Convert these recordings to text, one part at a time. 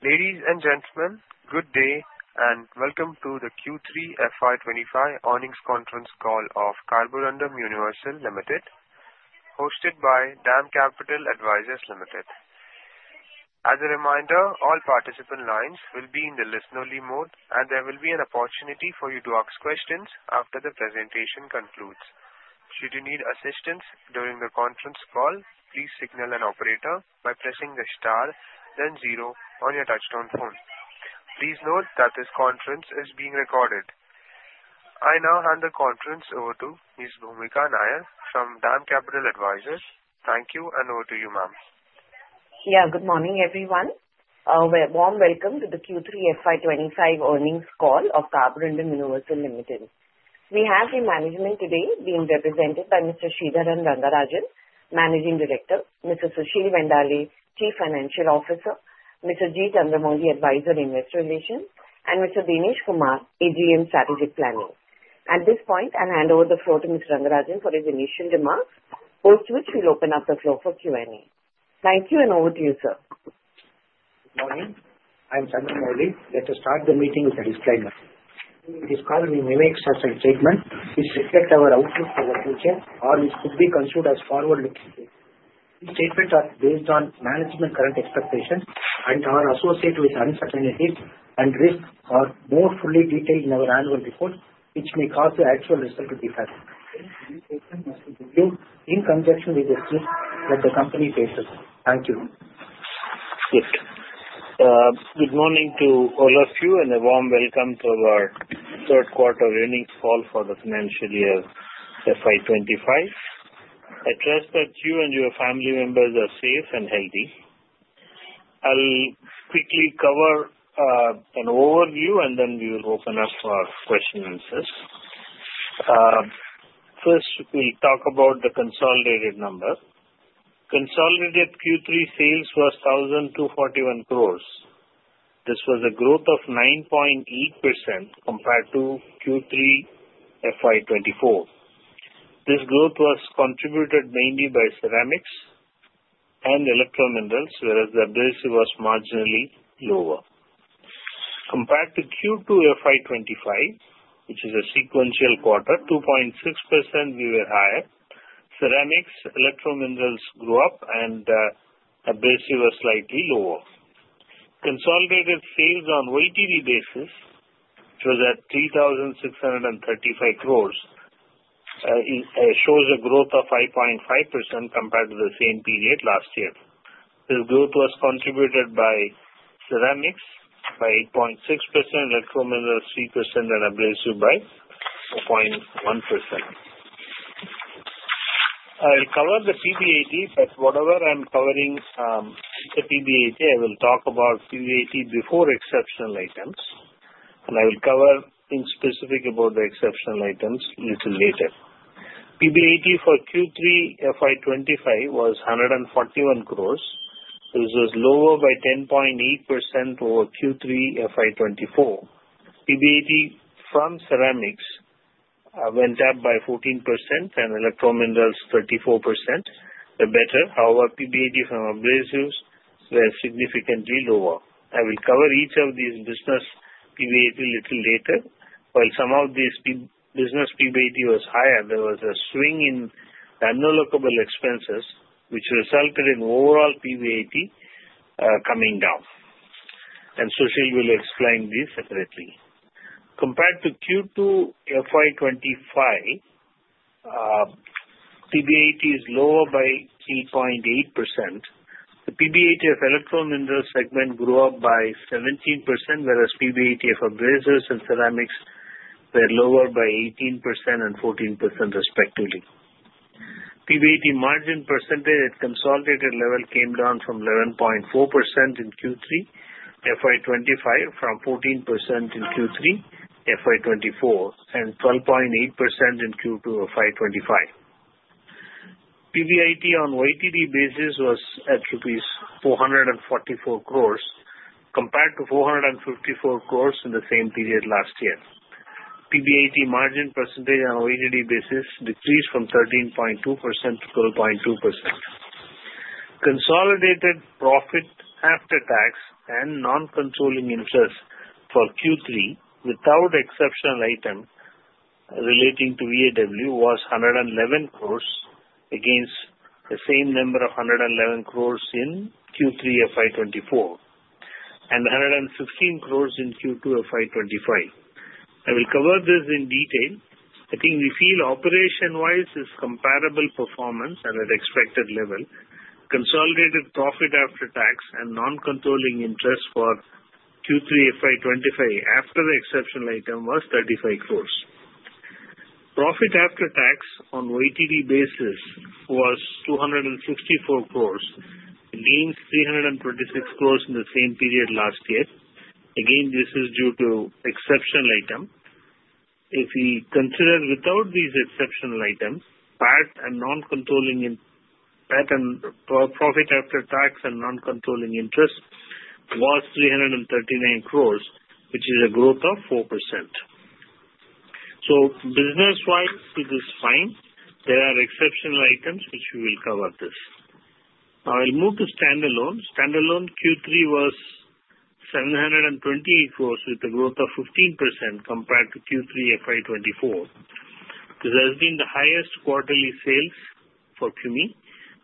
Ladies and gentlemen, good day and welcome to the Q3 FY 2025 Earnings conference call of Carborundum Universal Limited, hosted by DAM Capital Advisors Limited. As a reminder, all participant lines will be in the listen-only mode, and there will be an opportunity for you to ask questions after the presentation concludes. Should you need assistance during the conference call, please signal an operator by pressing the star, then zero, on your touch-tone phone. Please note that this conference is being recorded. I now hand the conference over to Ms. Bhoomika Nair from DAM Capital Advisors. Thank you, and over to you, ma'am. Yeah, good morning, everyone. We warmly welcome to the Q3 FY 2025 earnings call of Carborundum Universal Limited. We have the management today being represented by Mr. Sridharan Rangarajan, Managing Director; Mr. Sushil Kumar, Chief Financial Officer; Mr. G. Chandramouli, Advisor in Investor Relations; and Mr. Dinesh Kumar, AGM Strategic Planning. At this point, I'll hand over the floor to Mr. Rangarajan for his initial remarks, after which we'll open up the floor for Q&A. Thank you, and over to you, sir. Good morning. I'm Chandramouli. Let us start the meeting with a disclaimer. This call will be made such that statements which reflect our outlook for the future or which could be considered as forward-looking. These statements are based on management's current expectations, and are associated with uncertainties and risks or more fully detailed in our annual report, which may cause the actual result to be flat. These statements must be reviewed in conjunction with the risks that the company faces. Thank you. Great. Good morning to all of you, and a warm welcome to our third quarter earnings call for the financial year FY 2025. I trust that you and your family members are safe and healthy. I'll quickly cover an overview, and then we will open up for questions and answers. First, we'll talk about the consolidated number. Consolidated Q3 sales was 1,241 crores. This was a growth of 9.8% compared to Q3 FY 2024. This growth was contributed mainly by Ceramics and Electrominerals, whereas Abrasives was marginally lower. Compared to Q2 FY 2025, which is a sequential quarter, 2.6%, we were higher. Ceramics, Electrominerals grew up, and Abrasives was slightly lower. Consolidated sales on a YTD basis, which was at 3,635 crores, shows a growth of 5.5% compared to the same period last year. This growth was contributed by Ceramics by 8.6%, Electrominerals 3%, and Abrasives by 4.1%. I'll cover the PBIT, but whatever I'm covering, the PBIT, I will talk about PBIT before exceptional items, and I will cover in specific about the exceptional items a little later. PBIT for Q3 FY 2025 was 141 crores. This was lower by 10.8% over Q3 FY 2024. PBIT from Ceramics went up by 14%, and Electrominerals 34%, the better. However, PBIT from Abrasives were significantly lower. I will cover each of these business PBIT a little later. While some of these business PBIT was higher, there was a swing in the unallocable expenses, which resulted in overall PBIT coming down, and Sushil will explain this separately. Compared to Q2 FY 2025, PBIT is lower by 3.8%. The PBIT of Electrominerals segment grew up by 17%, whereas PBIT of Abrasives and Ceramics were lower by 18% and 14%, respectively. PBIT margin percentage at consolidated level came down from 11.4% in Q3 FY 2025 from 14% in Q3 FY 2024 and 12.8% in Q2 FY 2025. PBIT on YTD basis was at rupees 444 crores, compared to 454 crores in the same period last year. PBIT margin percentage on a YTD basis decreased from 13.2%-12.2%. Consolidated profit after tax and non-controlling interest for Q3, without exceptional item relating to VAW, was 111 crores against the same number of 111 crores in Q3 FY 2024 and 115 crores in Q2 FY 2025. I will cover this in detail. I think we feel operation-wise is comparable performance at the expected level. Consolidated profit after tax and non-controlling interest for Q3 FY 2025 after the exceptional item was 35 crores. Profit after tax on a YTD basis was 264 crores, against 326 crores in the same period last year. Again, this is due to exceptional item. If we consider without these exceptional items, PAT and non-consolidated PAT and profit after tax and non-consolidated interest was 339 crores, which is a growth of 4%. So business-wise, it is fine. There are exceptional items, which we will cover this. I'll move to standalone. Standalone Q3 was 728 crores with a growth of 15% compared to Q3 FY 2024. This has been the highest quarterly sales for CUMI.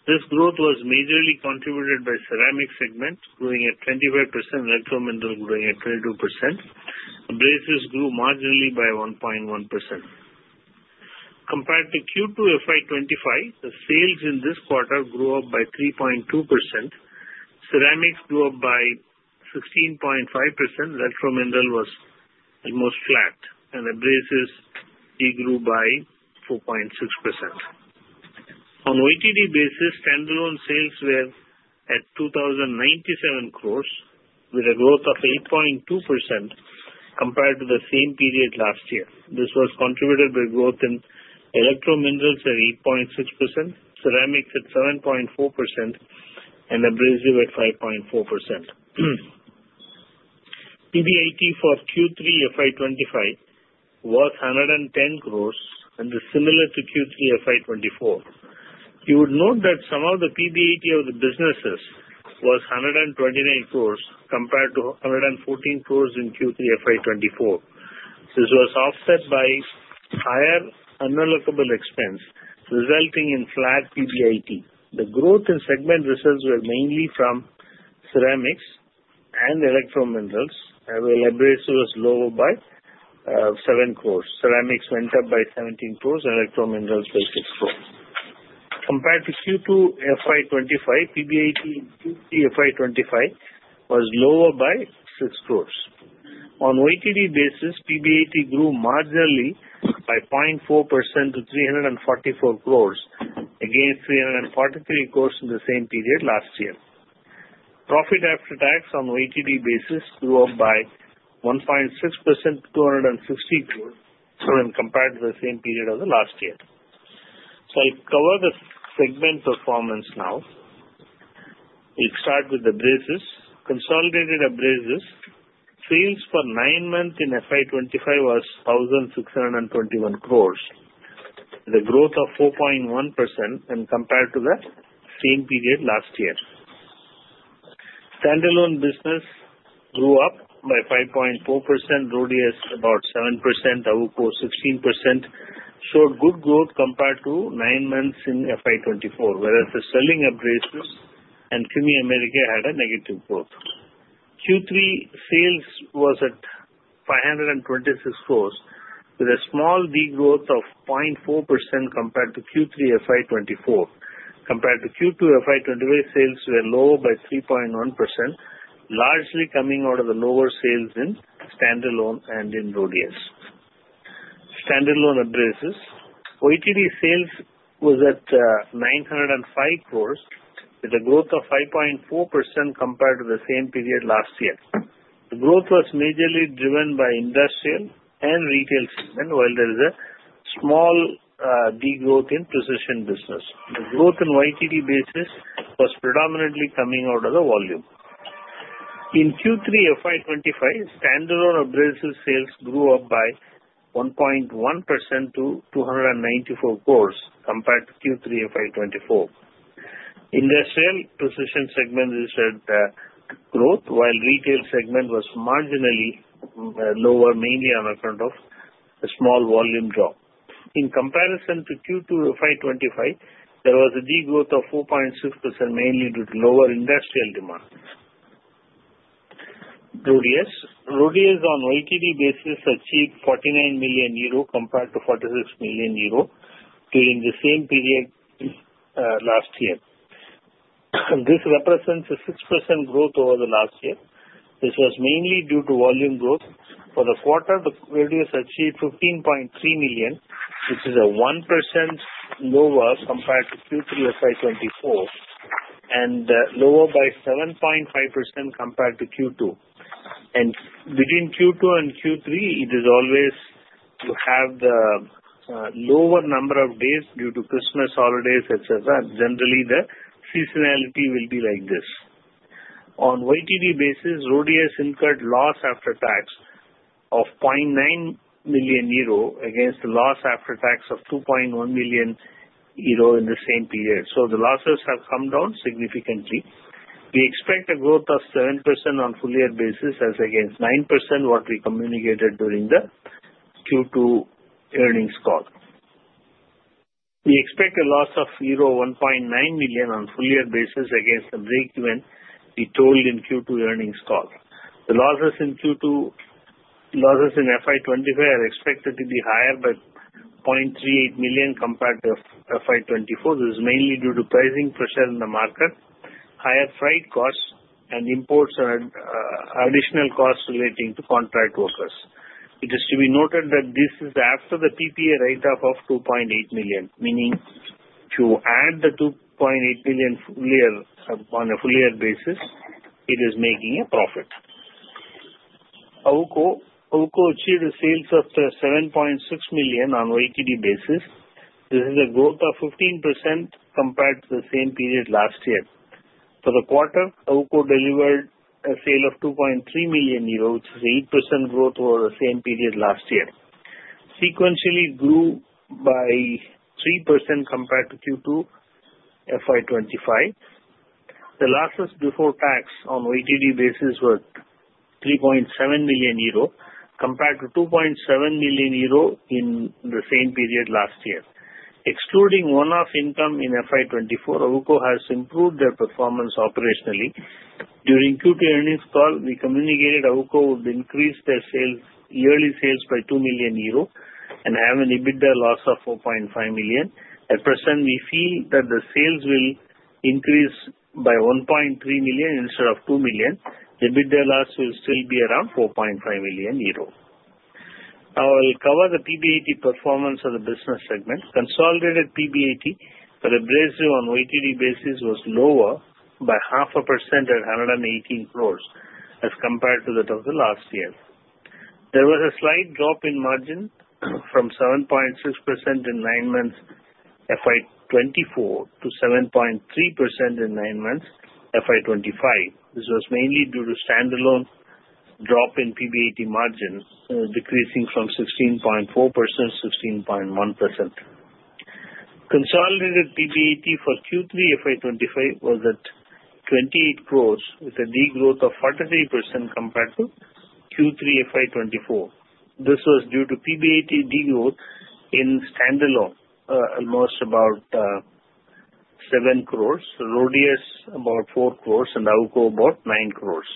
This growth was majorly contributed by Ceramics segment, growing at 25%, Electrominerals growing at 22%. Abrasives grew marginally by 1.1%. Compared to Q2 FY 2025, the sales in this quarter grew up by 3.2%. Ceramics grew up by 16.5%. Electrominerals was almost flat, and Abrasives grew by 4.6%. On a YTD basis, standalone sales were at 2,097 crores, with a growth of 8.2% compared to the same period last year. This was contributed by growth in Electrominerals at 8.6%, Ceramics at 7.4%, and Abrasives at 5.4%. PBIT for Q3 FY 2025 was 110 crores, and it's similar to Q3 FY 2024. You would note that some of the PBIT of the businesses was 129 crores compared to 114 crores in Q3 FY 2024. This was offset by higher unallocable expense, resulting in flat PBIT. The growth in segment results were mainly from Ceramics and Electrominerals, where Abrasives was lower by 7 crores. Ceramics went up by 17 crores, and Electrominerals by 6 crores. Compared to Q2 FY 2025, PBIT in Q3 FY 2025 was lower by 6 crores. On a YTD basis, PBIT grew marginally by 0.4% to 344 crores, again 343 crores in the same period last year. Profit after tax on a YTD basis grew up by 1.6% to 260 crores when compared to the same period of the last year. I'll cover the segment performance now. We'll start with Abrasives. Consolidated Abrasives sales for nine months in FY 2025 was 1,621 crores, with a growth of 4.1% when compared to the same period last year. Standalone business grew up by 5.4%, RHODIUS about 7%, AWUKO 16%, showed good growth compared to nine months in FY 2024, whereas the Sterling Abrasives and CUMI America had a negative growth. Q3 sales was at 526 crores, with a small degrowth of 0.4% compared to Q3 FY 2024. Compared to Q2 FY 2025, sales were lower by 3.1%, largely coming out of the lower sales in standalone and in RHODIUS. Standalone Abrasives sales was at 905 crores, with a growth of 5.4% compared to the same period last year. The growth was majorly driven by Industrial and Retail and while there is a small degrowth in precision business. The growth on a YTD basis was predominantly coming out of the volume. In Q3 FY 2025, standalone Abrasives sales grew up by 1.1% to INR 294 crores compared to Q3 FY 2024. Industrial Precision segment registered growth, while Retail segment was marginally lower, mainly on account of a small volume drop. In comparison to Q2 FY 2025, there was a degrowth of 4.6%, mainly due to lower industrial demand. RHODIUS on a YTD basis achieved 49 million euro compared to 46 million euro during the same period last year. This represents a 6% growth over the last year. This was mainly due to volume growth. For the quarter, RHODIUS achieved 15.3 million, which is 1% lower compared to Q3 FY 2024 and lower by 7.5% compared to Q2. Between Q2 and Q3, it is always you have the lower number of days due to Christmas holidays, et cetera. Generally, the seasonality will be like this. On a YTD basis, RHODIUS incurred loss after tax of 0.9 million euro against the loss after tax of 2.1 million euro in the same period. So the losses have come down significantly. We expect a growth of 7% on a full-year basis as against 9%, what we communicated during the Q2 earnings call. We expect a loss of euro 1.9 million on a full-year basis against the break-even we told in Q2 earnings call. The losses in Q2, losses in FY 2025 are expected to be higher by 0.38 million compared to FY 2024. This is mainly due to pricing pressure in the market, higher freight costs, and imports and, additional costs relating to contract workers. It is to be noted that this is after the PPA write-off of 2.8 million, meaning if you add the 2.8 million on a full year basis, it is making a profit. AWUKO. AWUKO achieved a sales of 7.6 million on a YTD basis. This is a growth of 15% compared to the same period last year. For the quarter, AWUKO delivered a sale of 2.3 million euros, which is an 8% growth over the same period last year. Sequentially, it grew by 3% compared to Q2 FY 2025. The losses before tax on a YTD basis were 3.7 million euro compared to 2.7 million euro in the same period last year. Excluding one-off income in FY 2024, AWUKO has improved their performance operationally. During Q2 earnings call, we communicated AWUKO would increase their sales, yearly sales by 2 million euro and have an EBITDA loss of 4.5 million. At present, we feel that the sales will increase by 1.3 million instead of 2 million. The EBITDA loss will still be around 4.5 million euro. I will cover the PBIT performance of the business segment. Consolidated PBIT for Abrasives on a YTD basis was lower by 0.5% at 118 crores as compared to that of the last year. There was a slight drop in margin from 7.6% in nine months FY 2024 to 7.3% in nine months FY 2025. This was mainly due to standalone drop in PBIT margin, decreasing from 16.4%-16.1%. Consolidated PBIT for Q3 FY 2025 was at 28 crores, with a degrowth of 43% compared to Q3 FY 2024. This was due to PBIT degrowth in standalone, almost about, 7 crores, RHODIUS about 4 crores, and AWUKO about 9 crores.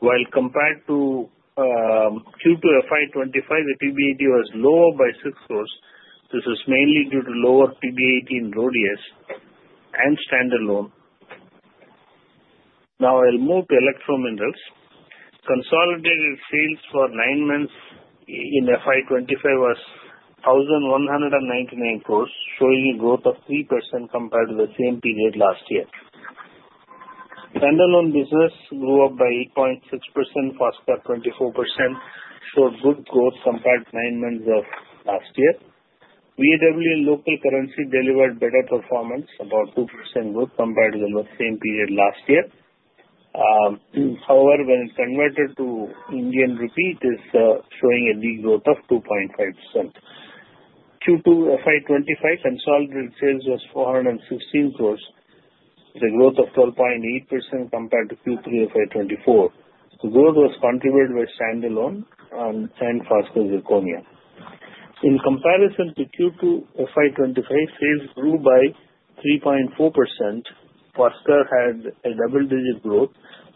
While compared to Q2 FY 2025, the PBIT was lower by 6 crores. This was mainly due to lower PBIT in RHODIUS and standalone. Now I'll move to Electrominerals. Consolidated sales for nine months in FY 2025 was 1,199 crores, showing a growth of 3% compared to the same period last year. Standalone business grew up by 8.6%, Foskor 24%, showed good growth compared to nine months of last year. VAW in local currency delivered better performance, about 2% growth compared to the same period last year. However, when it's converted to Indian rupee, it is showing a degrowth of 2.5%. Q2 FY 2025 consolidated sales was 416 crores, with a growth of 12.8% compared to Q3 FY 2024. The growth was contributed by standalone and Foskor Zirconia. In comparison to Q2 FY 2025, sales grew by 3.4%. Foskor had a double-digit growth.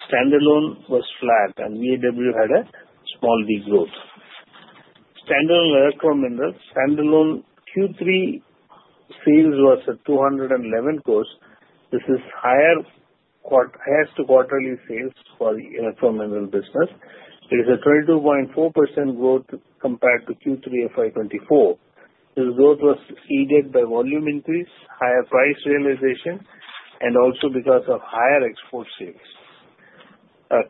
Standalone was flat, and VAW had a small degrowth. Standalone Electrominerals. Standalone Q3 sales was at 211 crores. This is higher as to quarterly sales for the Electrominerals business. It is a 22.4% growth compared to Q3 FY 2024. This growth was aided by volume increase, higher price realization, and also because of higher export sales.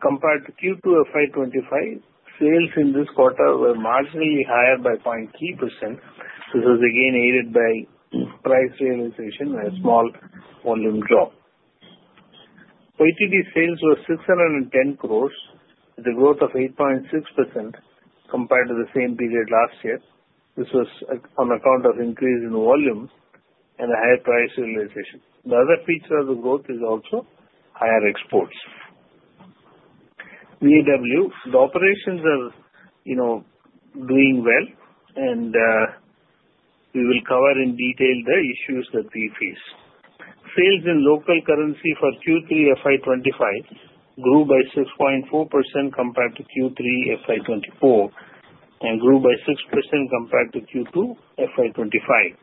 Compared to Q2 FY 2025, sales in this quarter were marginally higher by 0.3%. This was again aided by price realization and a small volume drop. Electrominerals sales were 610 crores, with a growth of 8.6% compared to the same period last year. This was on account of increase in volume and a higher price realization. The other feature of the growth is also higher exports. VAW. The operations are, you know, doing well, and we will cover in detail the issues that we face. Sales in local currency for Q3 FY 2025 grew by 6.4% compared to Q3 FY 2024 and grew by 6% compared to Q2 FY 2025.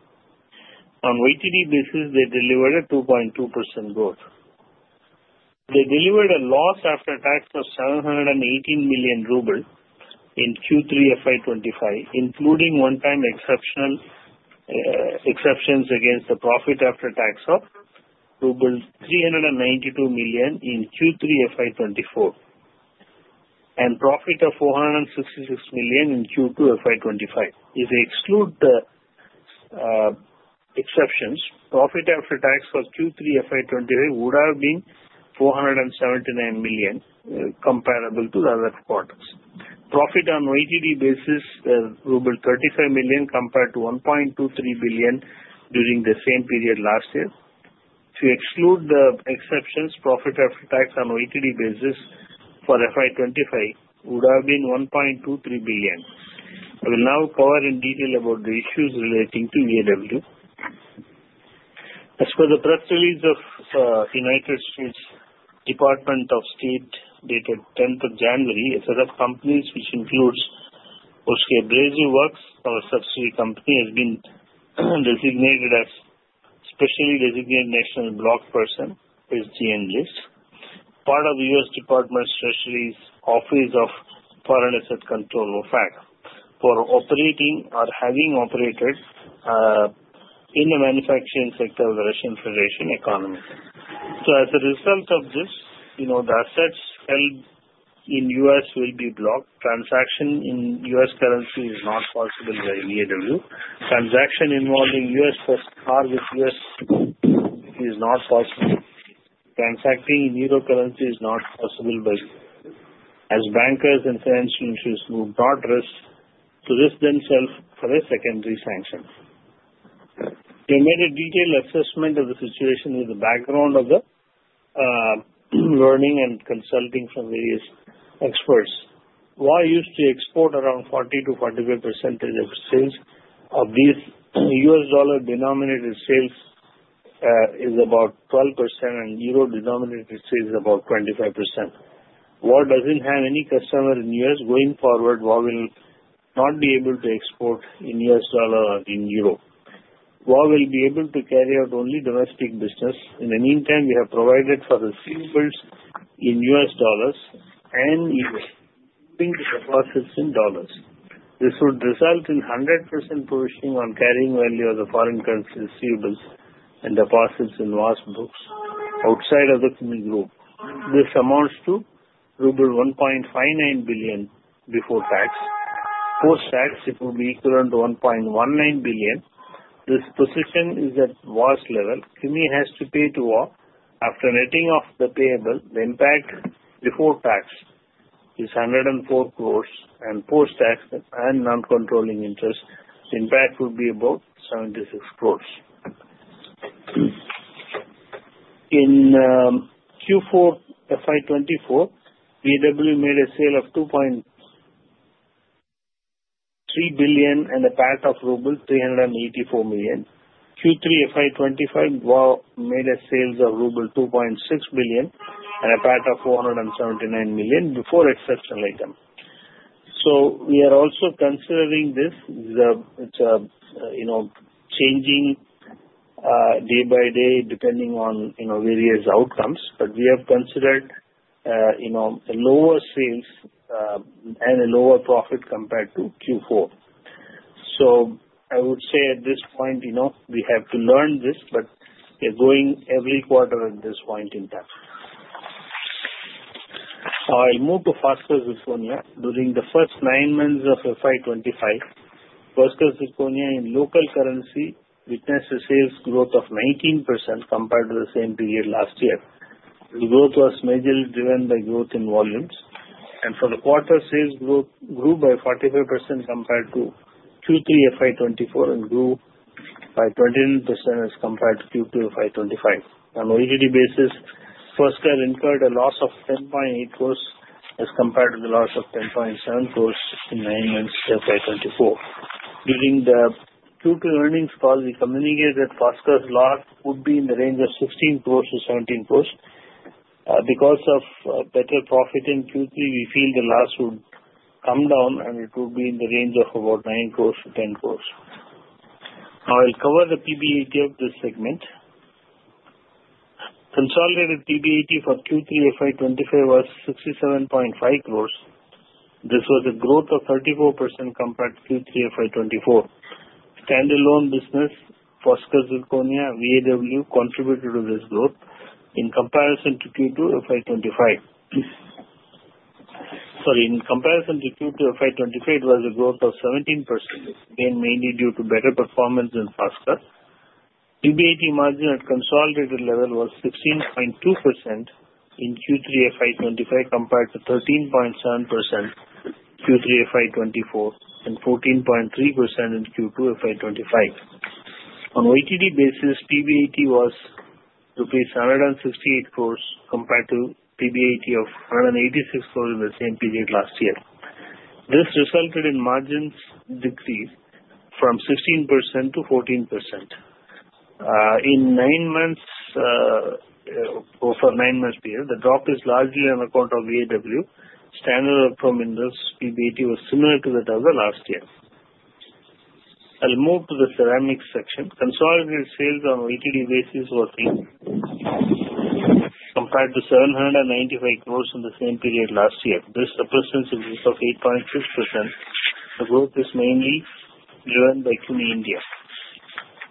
On a YTD basis, they delivered a 2.2% growth. They delivered a loss after tax of 718 million rubles in Q3 FY 2025, including one-time exceptions against the profit after tax of RUB 392 million in Q3 FY 2024 and profit of 466 million in Q2 FY 2025. If we exclude the exceptions, profit after tax for Q3 FY 2025 would have been 479 million, comparable to the other quarters. Profit on a YTD basis is ruble 35 million compared to 1.23 billion during the same period last year. If we exclude the exceptions, profit after tax on a YTD basis for FY 2025 would have been 1.23 billion. I will now cover in detail about the issues relating to VAW. As for the press release of the U.S. Department of State dated 10th of January, a set of companies, which includes Volzhsky Abrasive Works, our subsidiary company, has been designated as "Specially Designated Nationals and Blocked Persons", SDN List, part of the U.S. Department of the Treasury's Office of Foreign Assets Control, OFAC, for operating or having operated in the manufacturing sector of the Russian Federation economy. So, as a result of this, you know, the assets held in the U.S. will be blocked. Transactions in U.S. currency are not possible by VAW. Transactions involving U.S. currency with U.S. are not possible. Transacting in euro currency is not possible by VAW, as bankers and financial institutions would not risk themselves for a secondary sanction. We have made a detailed assessment of the situation with the background of the learnings and consulting from various experts. VAW used to export around 40%-45% of sales. Of these, U.S. dollar denominated sales is about 12%, and euro denominated sales about 25%. VAW doesn't have any customers in the U.S. Going forward, VAW will not be able to export in U.S. dollar or in euro. VAW will be able to carry out only domestic business. In the meantime, we have provided for receivables in U.S. dollars and in U.S. deposits in dollars. This would result in 100% provisioning on carrying value of the foreign currency receivables and deposits in VAW's books outside of the CUMI group. This amounts to ruble 1.59 billion before tax. Post-tax, it would be equivalent to 1.19 billion. This provision is at VAW's level. CUMI has to pay to VAW. After netting off the payable, the impact before tax is 104 crores, and post-tax and non-controlling interest, the impact would be about 76 crores. In Q4 FY 2024, VAW made a sale of 2.3 billion and a PAT of rubles 384 million. Q3 FY 2025, VAW made sales of rubles 2.6 billion and a PAT of 479 million before exceptional item. So, we are also considering this. It's a you know changing day by day depending on you know various outcomes, but we have considered you know a lower sales and a lower profit compared to Q4. So, I would say at this point, you know, we have to learn this, but we're going every quarter at this point in time. I'll move to Foskor Zirconia. During the first nine months of FY 2025, Foskor Zirconia in local currency witnessed a sales growth of 19% compared to the same period last year. The growth was majorly driven by growth in volumes, and for the quarter, sales growth grew by 45% compared to Q3 FY 2024 and grew by 29% as compared to Q2 FY 2025. On a YTD basis, Foskor incurred a loss of 10.8 crores as compared to the loss of 10.7 crores in nine months FY 2024. During the Q2 earnings call, we communicated Foskor's loss would be in the range of 16-17 crores. Because of better profit in Q3, we feel the loss would come down, and it would be in the range of about 9 crores-10 crores. Now, I'll cover the PBIT of this segment. Consolidated PBIT for Q3 FY 2025 was 67.5 crores. This was a growth of 34% compared to Q3 FY 2024. Standalone business, Foskor Zirconia, VAW contributed to this growth in comparison to Q2 FY 2025. Sorry, in comparison to Q2 FY 2025, it was a growth of 17%, again mainly due to better performance in Foskor. PBIT margin at consolidated level was 16.2% in Q3 FY 2025 compared to 13.7% Q3 FY 2024 and 14.3% in Q2 FY 2025. On a YTD basis, PBIT was rupees 168 crores compared to PBIT of 186 crores in the same period last year. This resulted in margins decreased from 16%-14%. In nine months, over nine months period, the drop is largely on account of VAW. Standalone Electrominerals PBIT was similar to that of the last year. I'll move to the Ceramics section. Consolidated sales on a YTD basis were INR 795 crores compared to 795 crores in the same period last year. This represents a growth of 8.6%. The growth is mainly driven by CUMI India.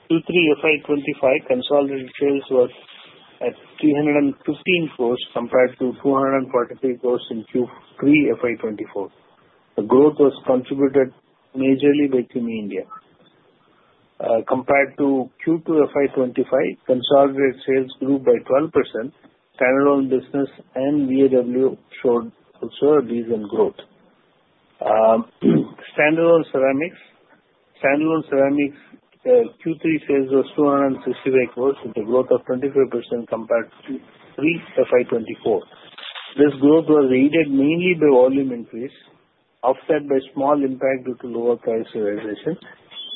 Q3 FY 2025 consolidated sales were at 315 crores compared to 243 crores in Q3 FY 2024. The growth was contributed majorly by CUMI India. Compared to Q2 FY 2025, consolidated sales grew by 12%. Standalone business and VAW showed also a decent growth. Standalone Ceramics Q3 sales was 265 crores with a growth of 25% compared to Q3 FY 2024. This growth was aided mainly by volume increase, offset by small impact due to lower price realization,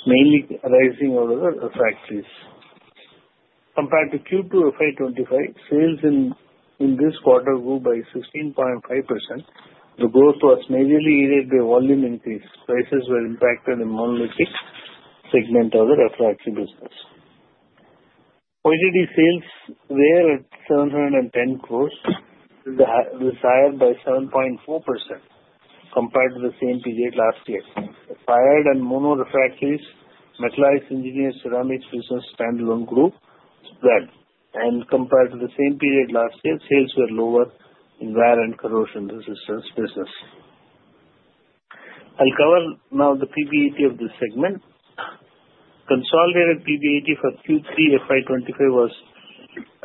mainly arising out of the refractories. Compared to Q2 FY 2025, sales in this quarter grew by 16.5%. The growth was majorly aided by volume increase. Prices were impacted in Monolithic segment of the Refractory business. Electrominerals sales were at 710 crores, which is higher by 7.4% compared to the same period last year. Fired and Mono Refractories, Metallized Engineered Ceramics business, standalone group, spread. Compared to the same period last year, sales were lower in Wear and Corrosion Resistance business. I'll cover now the PBIT of this segment. Consolidated PBIT for Q3 FY 2025 was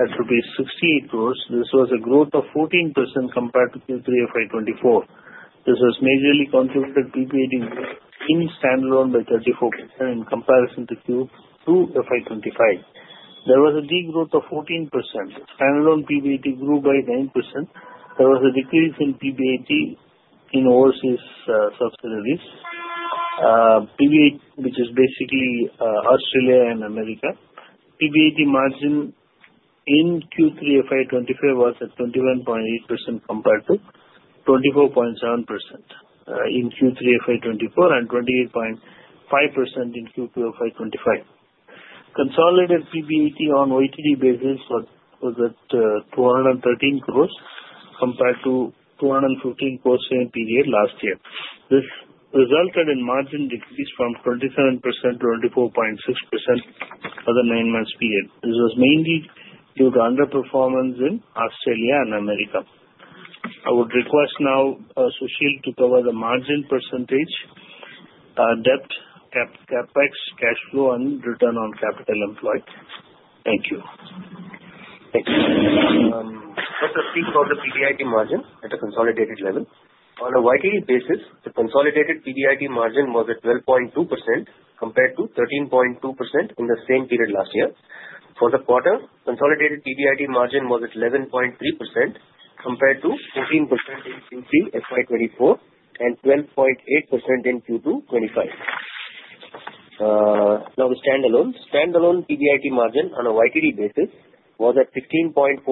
at 68 crores. This was a growth of 14% compared to Q3 FY 2024. This was majorly contributed PBIT in standalone by 34% in comparison to Q2 FY 2025. There was a degrowth of 14%. Standalone PBIT grew by 9%. There was a decrease in PBIT in overseas subsidiaries. PBIT, which is basically, Australia and America. PBIT margin in Q3 FY 2025 was at 21.8% compared to 24.7% in Q3 FY 2024 and 28.5% in Q2 FY 2025. Consolidated PBIT on a YTD basis was at 213 crores compared to 215 crores same period last year. This resulted in margin decrease from 27%-24.6% over nine months period. This was mainly due to underperformance in Australia and America. I would request now, Sushil to cover the margin percentage, debt, cap, capex, cash flow, and return on capital employed. Thank you. Let us speak about the PBIT margin at a consolidated level? On a YTD basis, the consolidated PBIT margin was at 12.2% compared to 13.2% in the same period last year. For the quarter, consolidated PBIT margin was at 11.3% compared to 14% in Q3 FY 2024 and 12.8% in Q2 FY 2025. Now the standalone. Standalone PBIT margin on a YTD basis was at 15.4%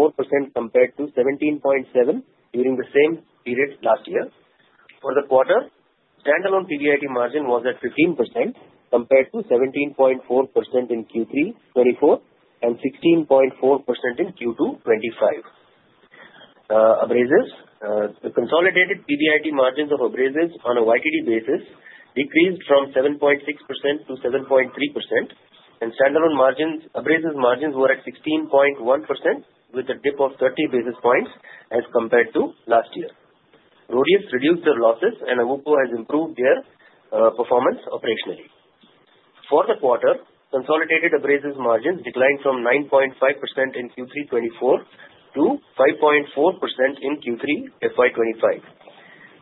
compared to 17.7% during the same period last year. For the quarter, standalone PBIT margin was at 15% compared to 17.4% in Q3 FY 2024 and 16.4% in Q2 FY 2025. Abrasives, the consolidated PBIT margins of Abrasives on a YTD basis decreased from 7.6%-7.3%, and standalone margins, Abrasives margins were at 16.1% with a dip of 30 basis points as compared to last year. RHODIUS reduced their losses, and AWUKO has improved their performance operationally. For the quarter, consolidated Abrasives margins declined from 9.5% in Q3 FY 2024 to 5.4% in Q3 FY 2025.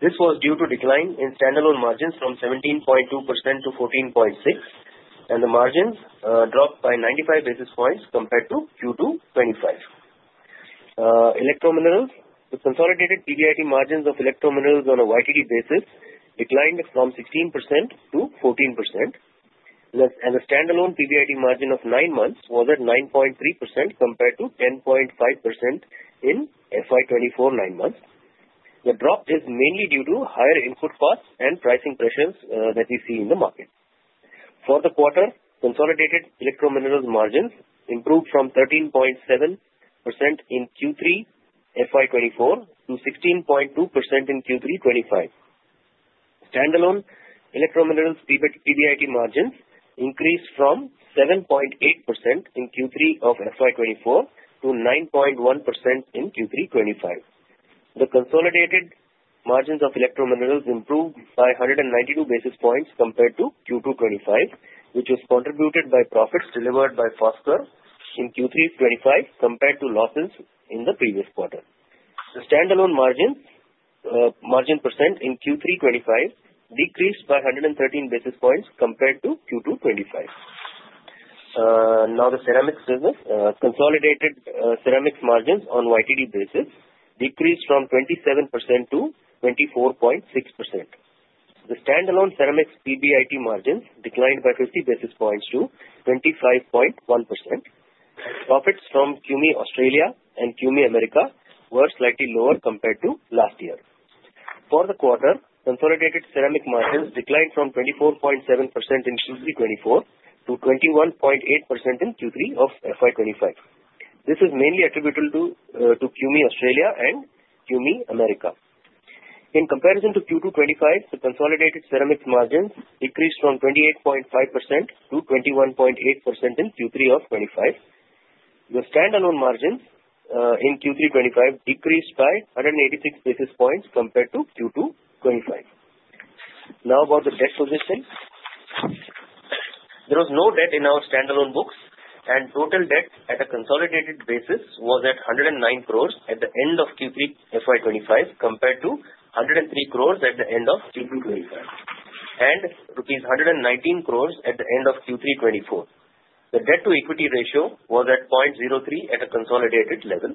This was due to decline in standalone margins from 17.2%-14.6%, and the margins dropped by 95 basis points compared to Q2 FY 2025. Electrominerals, the consolidated PBIT margins of Electrominerals on a YTD basis declined from 16%-14%. The standalone PBIT margin of nine months was at 9.3% compared to 10.5% in FY 2024 nine months. The drop is mainly due to higher input costs and pricing pressures that we see in the market. For the quarter, consolidated Electrominerals margins improved from 13.7% in Q3 FY 2024 to 16.2% in Q3 FY 2025. Standalone Electrominerals PBIT margins increased from 7.8% in Q3 of FY 2024 to 9.1% in Q3 FY 2025. The consolidated margins of Electrominerals improved by 192 basis points compared to Q2 FY 2025, which was contributed by profits delivered by Foskor in Q3 FY 2025 compared to losses in the previous quarter. The standalone margins, margin percent in Q3 FY 2025 decreased by 113 basis points compared to Q2 FY 2025. Now the Ceramics business, consolidated, Ceramics margins on a YTD basis decreased from 27%-24.6%. The standalone Ceramics PBIT margins declined by 50 basis points to 25.1%. Profits from CUMI Australia and CUMI America were slightly lower compared to last year. For the quarter, consolidated Ceramics margins declined from 24.7% in Q3 FY 2024 to 21.8% in Q3 of FY 2025. This is mainly attributable to CUMI Australia and CUMI America. In comparison to Q2 FY 2025, the consolidated Ceramics margins decreased from 28.5%-21.8% in Q3 of FY 2025. The standalone margins, in Q3 FY 2025 decreased by 186 basis points compared to Q2 FY 2025. Now about the debt position. There was no debt in our standalone books, and total debt at a consolidated basis was at 109 crores at the end of Q3 FY 2025 compared to 103 crores at the end of Q3 FY 2025 and rupees 119 crores at the end of Q3 FY 2024. The debt to equity ratio was at 0.03 at a consolidated level.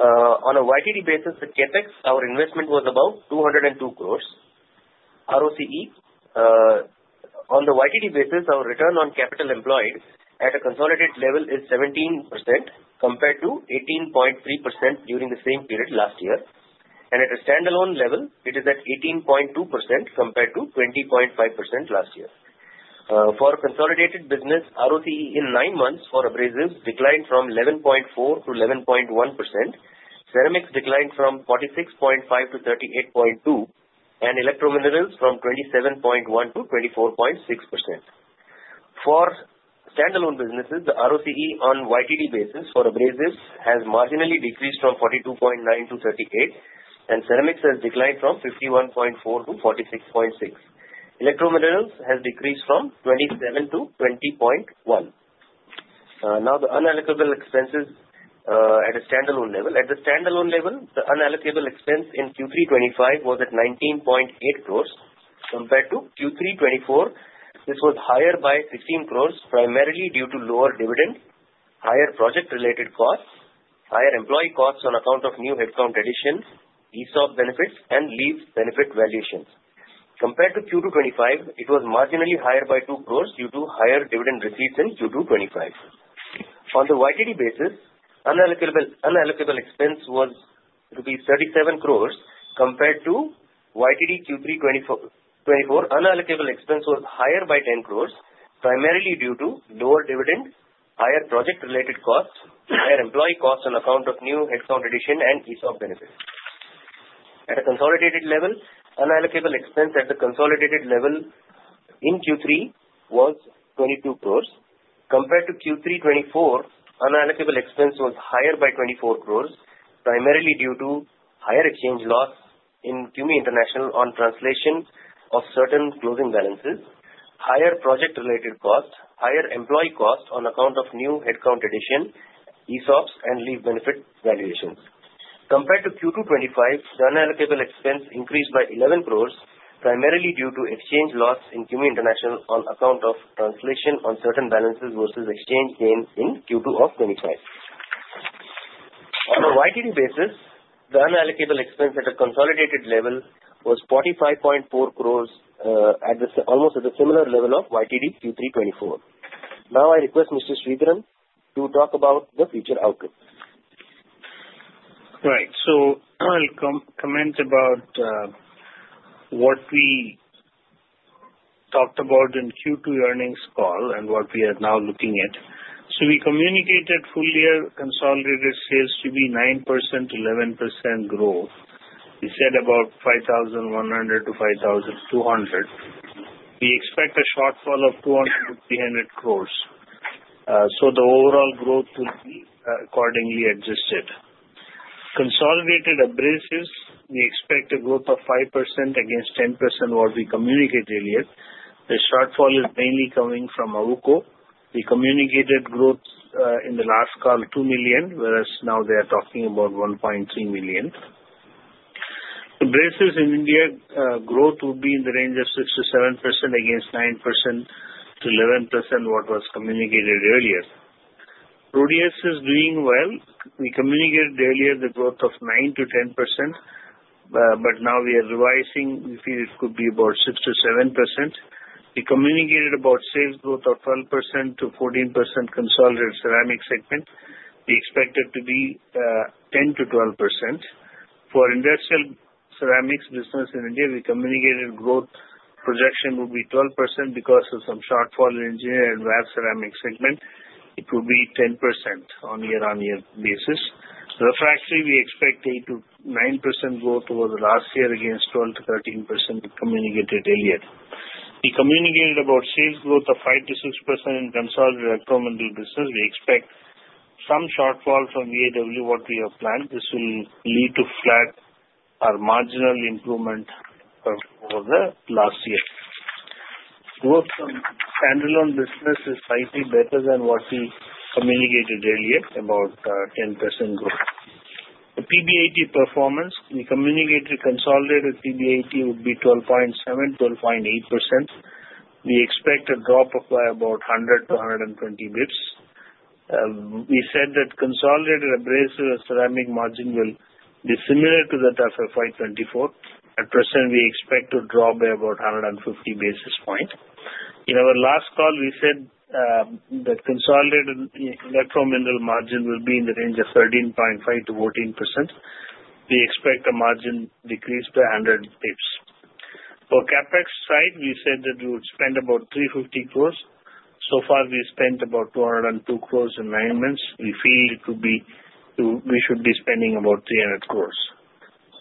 On a YTD basis, the Capex, our investment was about 202 crores. ROCE, on the YTD basis, our return on capital employed at a consolidated level is 17% compared to 18.3% during the same period last year. And at a standalone level, it is at 18.2% compared to 20.5% last year. For consolidated business, ROCE in nine months for Abrasives declined from 11.4%-11.1%, Ceramics declined from 46.5%-38.2%, and Electrominerals from 27.1%-24.6%. For standalone businesses, the ROCE on a YTD basis for Abrasives has marginally decreased from 42.9%-38%, and Ceramics has declined from 51.4%-46.6%. Electrominerals has decreased from 27%-20.1%. Now the unallocable expenses at a standalone level. At the standalone level, the unallocable expense in Q3 FY 2025 was at 19.8 crores compared to Q3 FY 2024. This was higher by 16 crores primarily due to lower dividend, higher project-related costs, higher employee costs on account of new headcount additions, ESOP benefits and leaves benefit valuations. Compared to Q2 FY 2025, it was marginally higher by 2 crores due to higher dividend receipts in Q2 FY 2025. On the YTD basis, unallocable expense was rupees 37 crores compared to YTD Q3 FY 2024. Unallocable expense was higher by 10 crores primarily due to lower dividend, higher project-related costs, higher employee costs on account of new headcount addition and ESOP benefits. At a consolidated level, unallocable expense at the consolidated level in Q3 was 22 crores. Compared to Q3 FY 2024, unallocable expense was higher by 24 crores primarily due to higher exchange loss in CUMI International on translation of certain closing balances, higher project-related costs, higher employee costs on account of new headcount addition, ESOPs, and leave benefit valuations. Compared to Q2 FY 2025, the unallocable expense increased by 11 crores primarily due to exchange loss in CUMI International on account of translation on certain balances versus exchange gain in Q2 FY 2025. On a YTD basis, the unallocable expense at a consolidated level was 45.4 crores, at almost the similar level of YTD Q3 FY 2024. Now I request Mr. Sridharan to talk about the future outlook. Right, so I'll comment about what we talked about in Q2 earnings call and what we are now looking at. So we communicated full year consolidated sales to be 9%-11% growth. We said about 5,100 crores-5,200 crores. We expect a shortfall of 200 crores-300 crores, so the overall growth will be accordingly adjusted. Consolidated Abrasives, we expect a growth of 5% against 10%, what we communicated earlier. The shortfall is mainly coming from AWUKO. We communicated growth, in the last call, 2 million, whereas now they are talking about 1.3 million. Abrasives in India, growth would be in the range of 6%-7% against 9%-11%, what was communicated earlier. RHODIUS is doing well. We communicated earlier the growth of 9%-10%, but now we are revising. We feel it could be about 6%-7%. We communicated about sales growth of 12%-14% consolidated Ceramics segment. We expect it to be 10%-12%. For Industrial Ceramics business in India, we communicated growth projection would be 12% because of some shortfall in Engineered and Wear Ceramics segment. It would be 10% on year-on-year basis. Refractories, we expect 8%-9% growth over the last year against 12%-13% we communicated earlier. We communicated about sales growth of 5%-6% in consolidated Electrominerals business. We expect some shortfall from VAW, what we have planned. This will lead to flat or marginal improvement over the last year. Growth from standalone business is slightly better than what we communicated earlier about 10% growth. The PBIT performance, we communicated consolidated PBIT would be 12.7%-12.8%. We expect a drop of by about 100-120 basis points. We said that consolidated Abrasives Ceramic margin will be similar to that of FY 2024. At present, we expect to drop by about 150 basis points. In our last call, we said, that consolidated Electrominerals margin will be in the range of 13.5%-14%. We expect a margin decrease by 100 basis points. For CapEx side, we said that we would spend about 350 crores. So far, we spent about 202 crores in nine months. We feel it would be to we should be spending about 300 crores.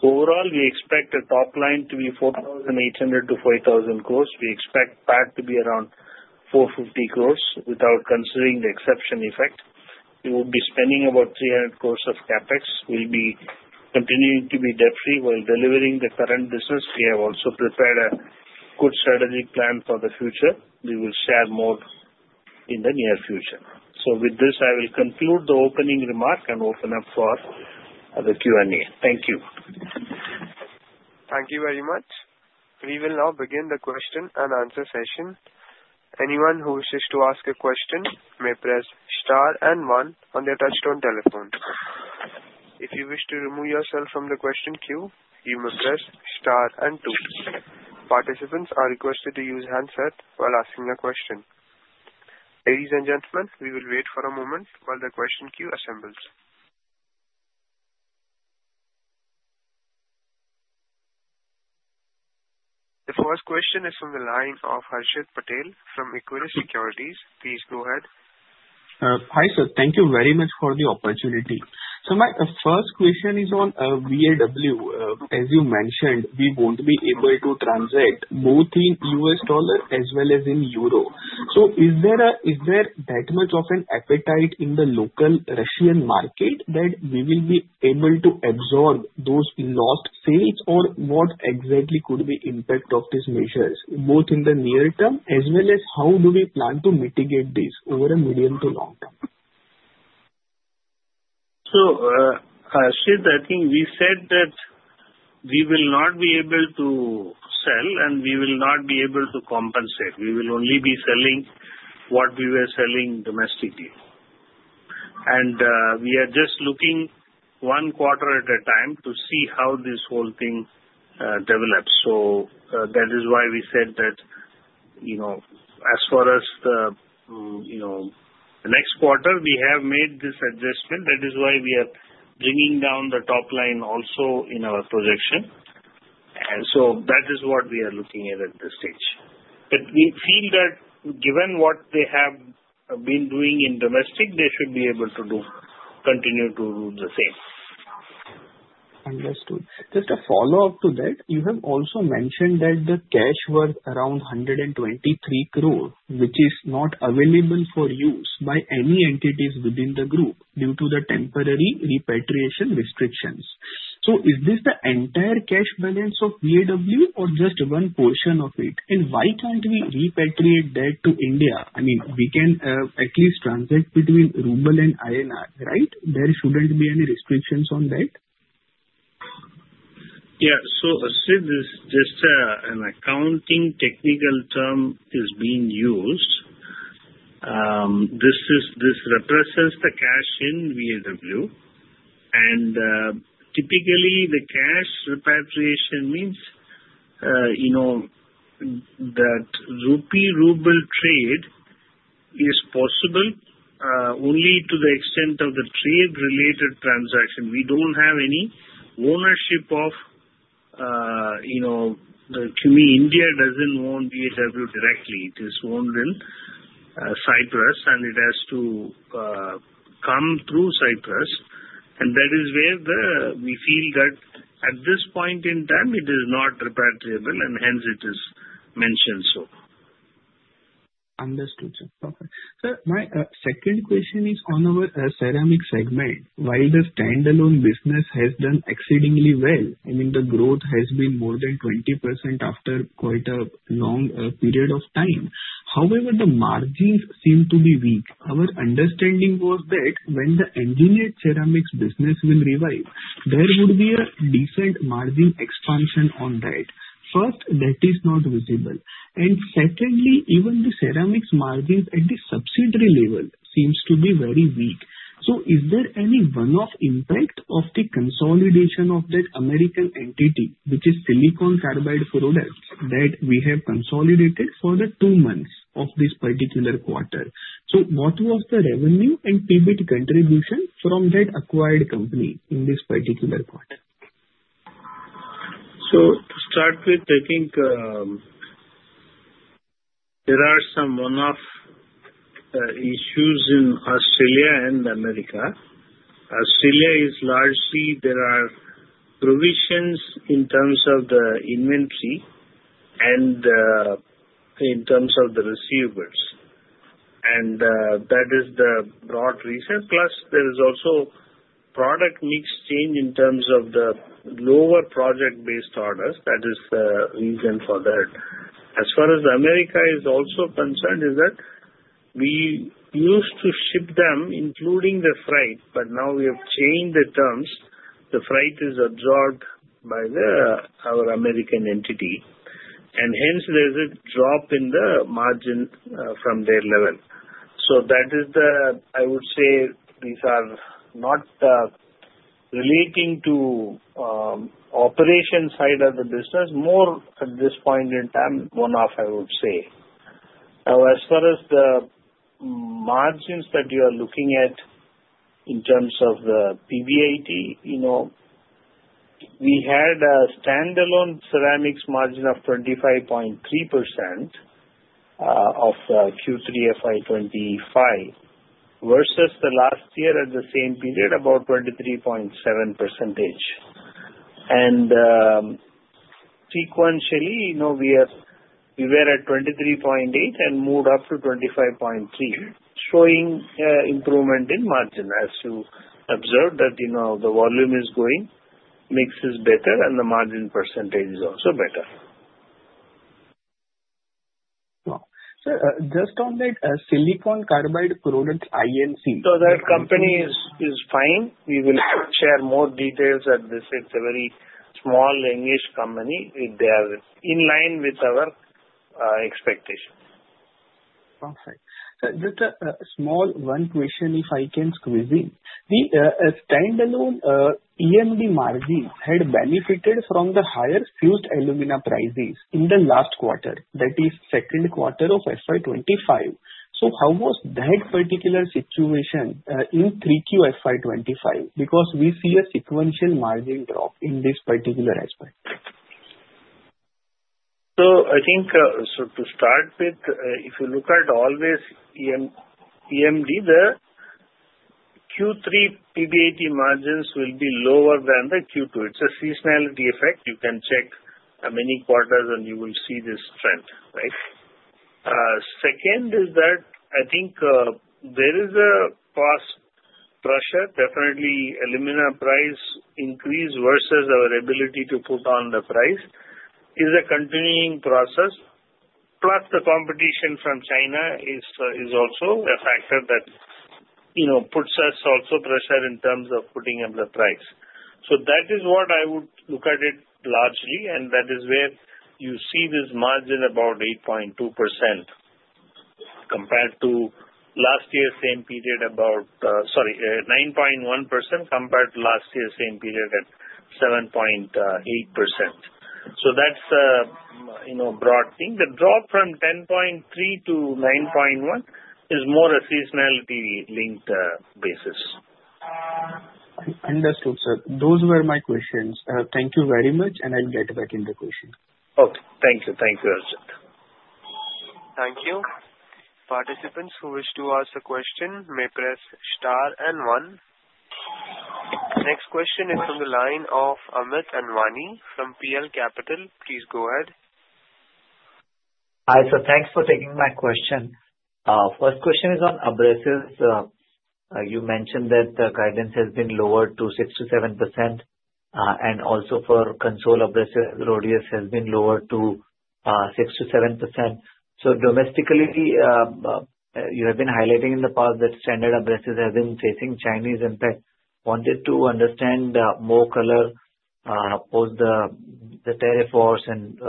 Overall, we expect a top line to be 4,800 crores- 5,000 crores. We expect PAT to be around 450 crores without considering the exception effect. We would be spending about 300 crores of CapEx. We'll be continuing to be debt-free while delivering the current business. We have also prepared a good strategy plan for the future. We will share more in the near future. So with this, I will conclude the opening remark and open up for the Q&A. Thank you. Thank you very much. We will now begin the question and answer session. Anyone who wishes to ask a question may press star and one on their touch-tone telephone. If you wish to remove yourself from the question queue, you may press star and two. Participants are requested to use handset while asking a question. Ladies and gentlemen, we will wait for a moment while the question queue assembles. The first question is from the line of Harshit Patel from Equirus Securities. Please go ahead. Hi, sir. Thank you very much for the opportunity. So my first question is on VAW. As you mentioned, we won't be able to transact both in U.S. dollar as well as in euro. So is there that much of an appetite in the local Russian market that we will be able to absorb those lost sales or what exactly could be the impact of these measures both in the near term as well as how do we plan to mitigate these over a medium to long term? So, Harshit, I think we said that we will not be able to sell and we will not be able to compensate. We will only be selling what we were selling domestically. We are just looking one quarter at a time to see how this whole thing develops. That is why we said that, you know, as far as the you know the next quarter, we have made this adjustment. That is why we are bringing down the top line also in our projection. That is what we are looking at at this stage. We feel that given what they have been doing in domestic, they should be able to continue to do the same. Understood. Just a follow-up to that, you have also mentioned that the cash was around 123 crore, which is not available for use by any entities within the group due to the temporary repatriation restrictions. Is this the entire cash balance of VAW or just one portion of it? Why can't we repatriate that to India? I mean, we can at least transact between ruble and INR, right? There shouldn't be any restrictions on that. Yeah, so since it's just an accounting technical term being used, this represents the cash in VAW. And typically, the cash repatriation means, you know, that rupee-ruble trade is possible only to the extent of the trade-related transaction. We don't have any ownership of, you know, the CUMI India doesn't own VAW directly. It is owned in Cyprus, and it has to come through Cyprus. And that is where we feel that at this point in time, it is not repatriable, and hence it is mentioned so. Understood, sir. Perfect. Sir, my second question is on our Ceramic segment. While the standalone business has done exceedingly well, I mean, the growth has been more than 20% after quite a long period of time. However, the margins seem to be weak. Our understanding was that when the Engineered Ceramics business will revive, there would be a decent margin expansion on that. First, that is not visible. And secondly, even the Ceramics margins at the subsidiary level seems to be very weak. So is there any one-off impact of the consolidation of that American entity, which is Silicon Carbide Products that we have consolidated for the two months of this particular quarter? So what was the revenue and PBIT contribution from that acquired company in this particular quarter? So to start with, I think, there are some one-off issues in Australia and America. Australia is largely there are provisions in terms of the inventory and, in terms of the receivables. And, that is the broad reason. Plus, there is also product mix change in terms of the lower project-based orders. That is the reason for that. As far as America is also concerned, is that we used to ship them, including the freight, but now we have changed the terms. The freight is absorbed by our American entity. And hence, there's a drop in the margin, from their level. So that is, I would say, these are not relating to operation side of the business, more at this point in time, one-off, I would say. Now, as far as the margins that you are looking at in terms of the PBIT, you know, we had a standalone Ceramics margin of 25.3% of Q3 FY 2025 versus the last year at the same period, about 23.7%. Sequentially, you know, we were at 23.8% and moved up to 25.3%, showing improvement in margin as you observed that, you know, the volume is going, mix is better, and the margin percentage is also better. Wow. Sir, just on that, Silicon Carbide Products Inc. So that company is fine. We will share more details at this. It's a very small English company. They are in line with our expectations. Perfect. Sir, just a small one question, if I can squeeze in. The standalone EMD margins had benefited from the higher fused alumina prices in the last quarter, that is, second quarter of FY 2025. So how was that particular situation in 3Q FY 2025? Because we see a sequential margin drop in this particular aspect. So I think, so to start with, if you look at overall Electrominerals, the Q3 PBIT margins will be lower than the Q2. It's a seasonality effect. You can check many quarters, and you will see this trend, right? Second is that I think, there is a cost pressure. Definitely, alumina price increase versus our ability to put on the price is a continuing process. Plus, the competition from China is also a factor that, you know, puts pressure on us in terms of putting up the price. So that is what I would look at it largely. And that is where you see this margin about 8.2% compared to last year's same period about, sorry, 9.1% compared to last year's same period at 7.8%. So that's the, you know, broad thing. The drop from 10.3%-9.1% is more a seasonality-linked basis. Understood, sir. Those were my questions. Thank you very much, and I'll get back in the queue. Okay. Thank you. Thank you, Harshit. Thank you. Participants who wish to ask a question may press star and one. Next question is from the line of Amit Anwani from PL Capital. Please go ahead. Hi, sir. Thanks for taking my question. First question is on Abrasives. You mentioned that the guidance has been lowered to 6%-7%, and also for consol, Abrasives, RHODIUS has been lowered to 6%-7%. So domestically, you have been highlighting in the past that standard Abrasives have been facing Chinese impact. Wanted to understand more color on both the tariff wars and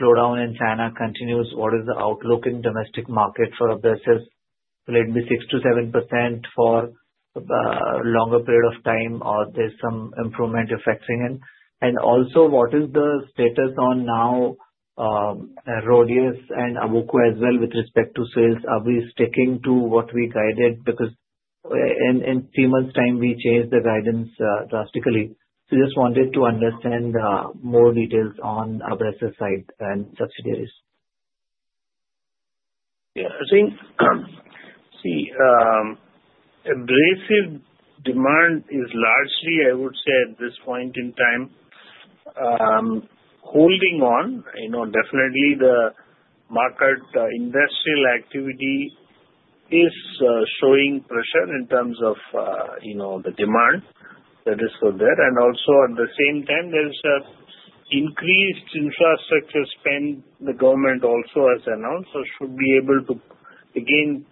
slowdown in China continues. What is the outlook in domestic market for Abrasives? Will it be 6%-7% for a longer period of time, or there's some improvement effects in it? And also, what is the status now on RHODIUS and AWUKO as well with respect to sales? Are we sticking to what we guided? Because in 3 months' time, we changed the guidance, drastically. So just wanted to understand more details on Abrasives side and subsidiaries. Yeah. I think, see, Abrasives demand is largely, I would say, at this point in time, holding on. You know, definitely, the market, the industrial activity is showing pressure in terms of, you know, the demand. That is for that. And also, at the same time, there's an increased infrastructure spend the government also has announced. So should be able to, again,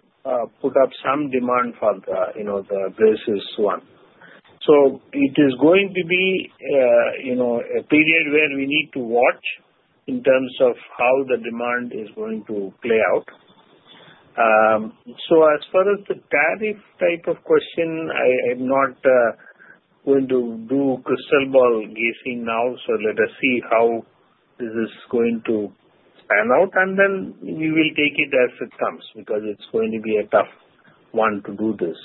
put up some demand for the, you know, the Abrasives one. So it is going to be, you know, a period where we need to watch in terms of how the demand is going to play out. As far as the tariff type of question, I'm not going to do crystal ball guessing now. Let us see how this is going to pan out. Then we will take it as it comes because it's going to be a tough one to do this.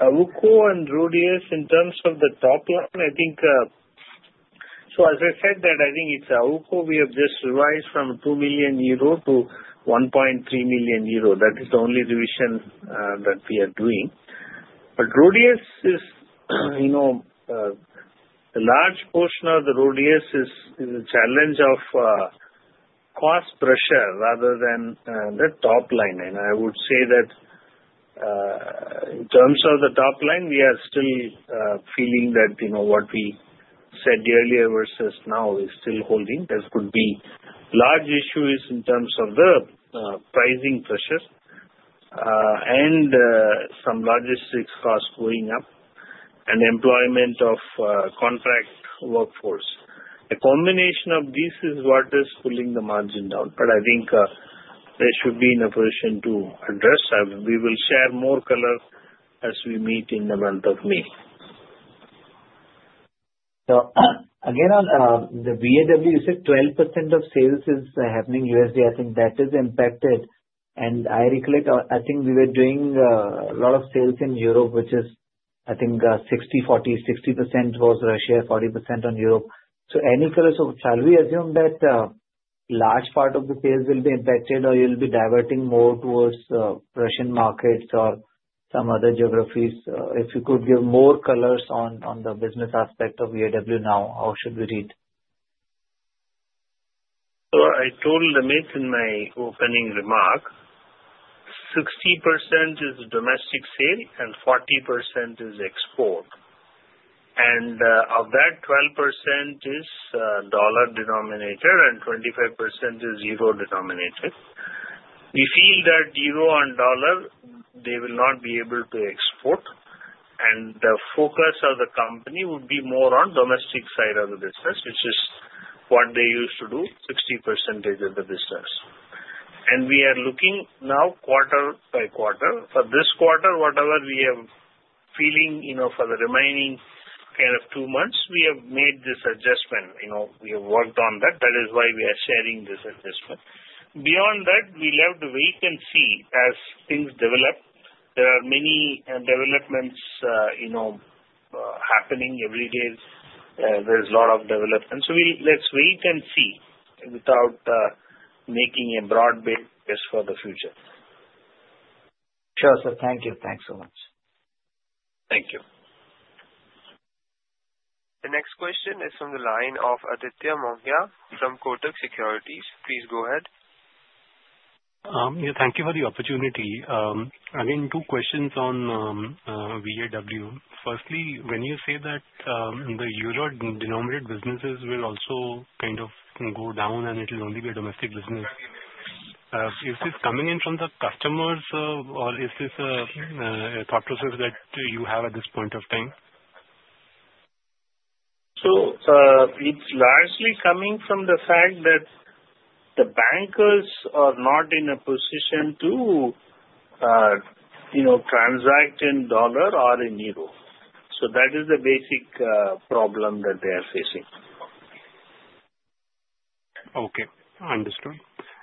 AWUKO and RHODIUS, in terms of the top line, I think, so as I said that, I think it's AWUKO. We have just revised from 2 million euro to 1.3 million euro. That is the only revision that we are doing. But RHODIUS is, you know, a large portion of the RHODIUS is the challenge of cost pressure rather than the top line. And I would say that in terms of the top line, we are still feeling that, you know, what we said earlier versus now is still holding. There could be large issues in terms of the pricing pressures, and some logistics costs going up and employment of contract workforce. A combination of these is what is pulling the margin down. But I think there should be an operation to address. We will share more color as we meet in the month of May. So again, on the VAW, you said 12% of sales is happening USD. I think that is impacted. And I recollect, I think we were doing a lot of sales in Europe, which is, I think, 60/40, 60% was Russia, 40% on Europe. So any color? So shall we assume that large part of the sales will be impacted or you'll be diverting more towards Russian markets or some other geographies? If you could give more colors on the business aspect of VAW now, how should we read? So I told Amit in my opening remark, 60% is domestic sale and 40% is export. And, of that, 12% is dollar-denominated and 25% is euro-denominated. We feel that euro and dollar, they will not be able to export. And the focus of the company would be more on domestic side of the business, which is what they used to do, 60% of the business. And we are looking now quarter-by-quarter. For this quarter, whatever we have feeling, you know, for the remaining kind of two months, we have made this adjustment. You know, we have worked on that. That is why we are sharing this adjustment. Beyond that, we'll have to wait and see as things develop. There are many developments, you know, happening every day. There's a lot of development. So we'll let's wait and see without making a broad basis for the future. Sure, sir. Thank you. Thanks so much. Thank you. The next question is from the line of Aditya Mongia from Kotak Securities. Please go ahead. Yeah, thank you for the opportunity. Again, two questions on VAW. Firstly, when you say that the euro denominated businesses will also kind of go down and it'll only be a domestic business, is this coming in from the customers, or is this a thought process that you have at this point of time? So it's largely coming from the fact that the bankers are not in a position to, you know, transact in dollar or in euro. So that is the basic problem that they are facing. Okay. Understood,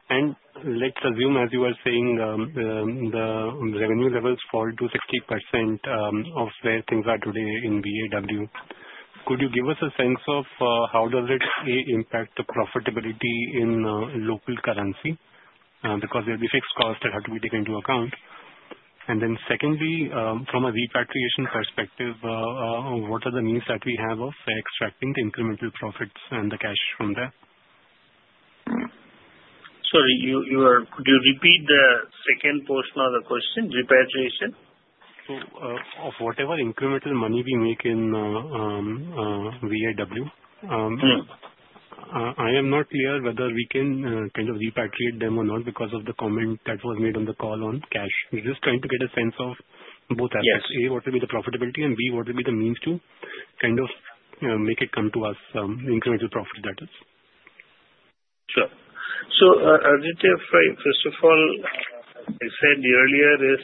and let's assume, as you were saying, the revenue levels fall to 60% of where things are today in VAW. Could you give us a sense of how does it impact the profitability in local currency? Because there'll be fixed costs that have to be taken into account. And then secondly, from a repatriation perspective, what are the means that we have of extracting the incremental profits and the cash from there? Sorry, could you repeat the second portion of the question, repatriation? So, of whatever incremental money we make in VAW, I am not clear whether we can kind of repatriate them or not because of the comment that was made on the call on cash. We're just trying to get a sense of both aspects. Yes. A, what will be the profitability, and B, what will be the means to kind of make it come to us, incremental profits, that is. Sure. Aditya, first of all, as I said earlier,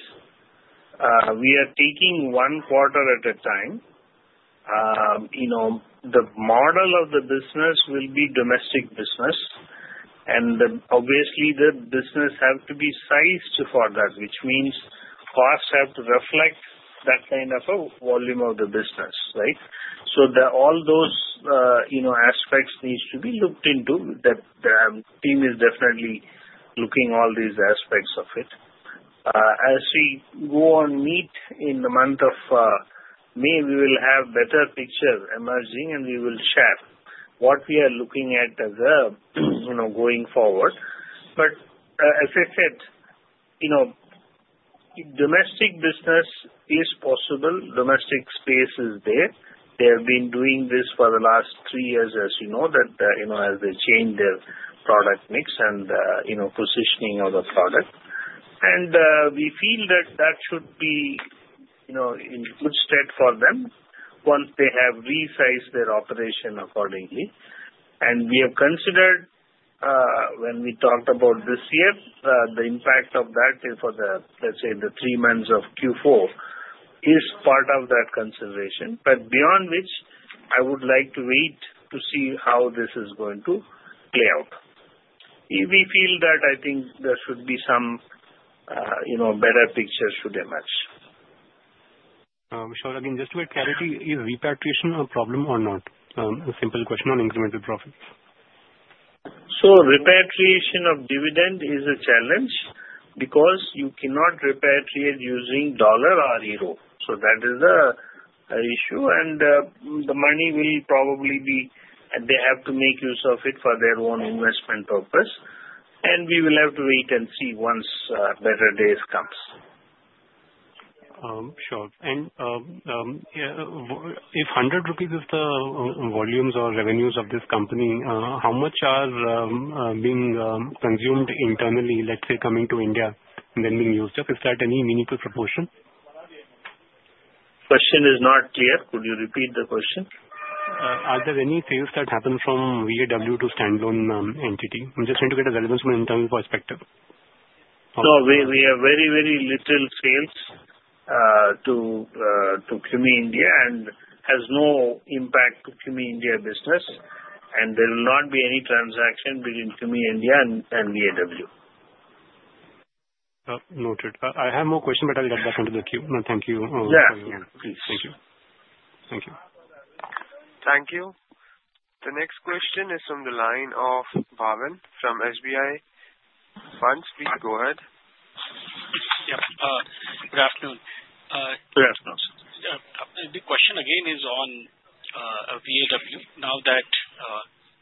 we are taking one quarter at a time. You know, the model of the business will be domestic business. Obviously, the business has to be sized for that, which means costs have to reflect that kind of a volume of the business, right? So that all those, you know, aspects need to be looked into. The team is definitely looking at all these aspects of it. As we go and meet in the month of May, we will have better pictures emerging, and we will share what we are looking at as a, you know, going forward. But as I said, you know, domestic business is possible. Domestic space is there. They have been doing this for the last three years, as you know, you know, as they change their product mix and, you know, positioning of the product. And we feel that that should be, you know, in good stead for them once they have resized their operation accordingly. And we have considered, when we talked about this year, the impact of that is for the, let's say, the three months of Q4 is part of that consideration. But beyond which, I would like to wait to see how this is going to play out. We feel that I think there should be some, you know, better picture should emerge. Sure. Again, just to get clarity, is repatriation a problem or not? A simple question on incremental profits. So repatriation of dividend is a challenge because you cannot repatriate using dollar or euro. So that is the issue. And, the money will probably be they have to make use of it for their own investment purpose. And we will have to wait and see once better days comes. Sure. And, if 100 rupees of the volumes or revenues of this company, how much are being consumed internally, let's say, coming to India and then being used up? Is that any meaningful proportion? Question is not clear. Could you repeat the question? Are there any sales that happen from VAW to standalone entity? I'm just trying to get a relevance from an internal perspective. So we have very, very little sales to CUMI India and has no impact to CUMI India business. And there will not be any transaction between CUMI India and VAW. Noted. I have more questions, but I'll get back into the queue. No, thank you for your. Yeah. Please. Thank you. Thank you. Thank you. The next question is from the line of Bhavin from SBI Funds. Please go ahead. Yep. Good afternoon. Good afternoon, sir. The question again is on VAW. Now that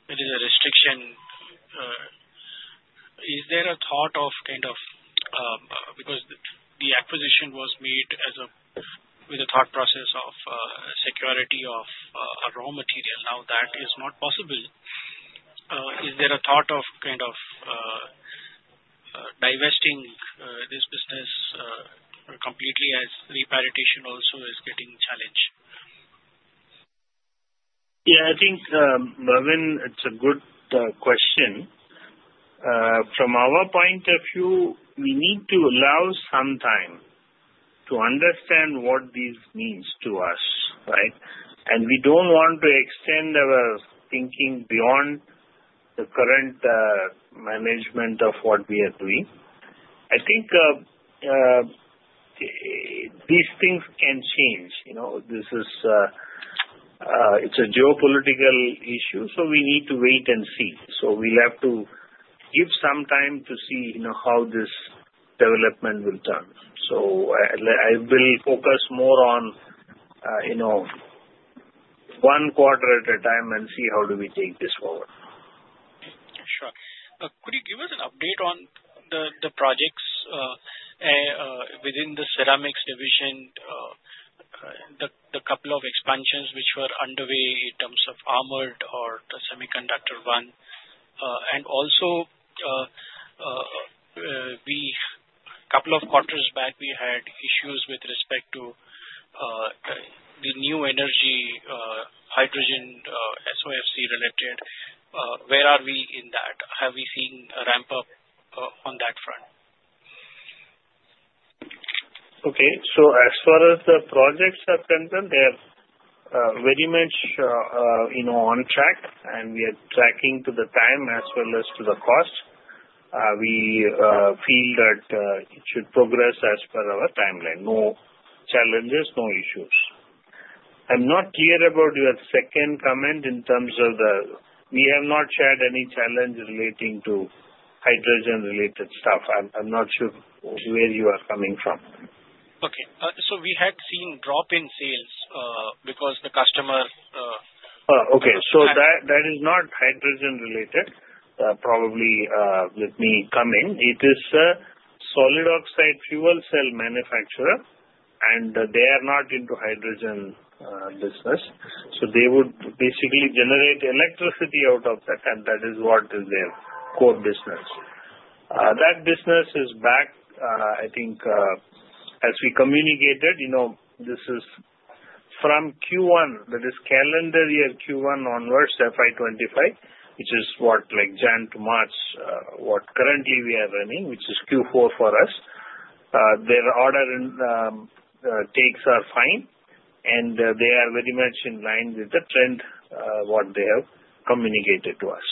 there is a restriction, is there a thought of kind of, because the acquisition was made as a with a thought process of security of raw material now that is not possible. Is there a thought of kind of divesting this business completely as repatriation also is getting challenged? Yeah, I think, Bhavin, it's a good question. From our point of view, we need to allow some time to understand what these means to us, right? And we don't want to extend our thinking beyond the current management of what we are doing. I think these things can change. You know, this is, it's a geopolitical issue, so we need to wait and see. So we'll have to give some time to see, you know, how this development will turn. So I will focus more on, you know, one quarter at a time and see how do we take this forward. Sure. Could you give us an update on the projects within the Ceramics division, the couple of expansions which were underway in terms of armored or the semiconductor one? And also, a couple of quarters back, we had issues with respect to the new energy hydrogen SOFC related. Where are we in that? Have we seen a ramp-up on that front? Okay. So as far as the projects are concerned, they are very much, you know, on track. And we are tracking to the time as well as to the cost. We feel that it should progress as per our timeline. No challenges, no issues. I'm not clear about your second comment in terms of that we have not shared any challenge relating to hydrogen-related stuff. I'm not sure where you are coming from. Okay. So we had seen drop in sales, because the customer. Okay. So that is not hydrogen-related. Probably, let me come in. It is a solid oxide fuel cell manufacturer, and they are not into Hydrogen business. So they would basically generate electricity out of that, and that is what is their core business. That business is back, I think, as we communicated, you know, this is from Q1, that is calendar year Q1 onwards, FY 2025, which is what, like, January to March, what currently we are running, which is Q4 for us. Their order intakes are fine. And they are very much in line with the trend, what they have communicated to us.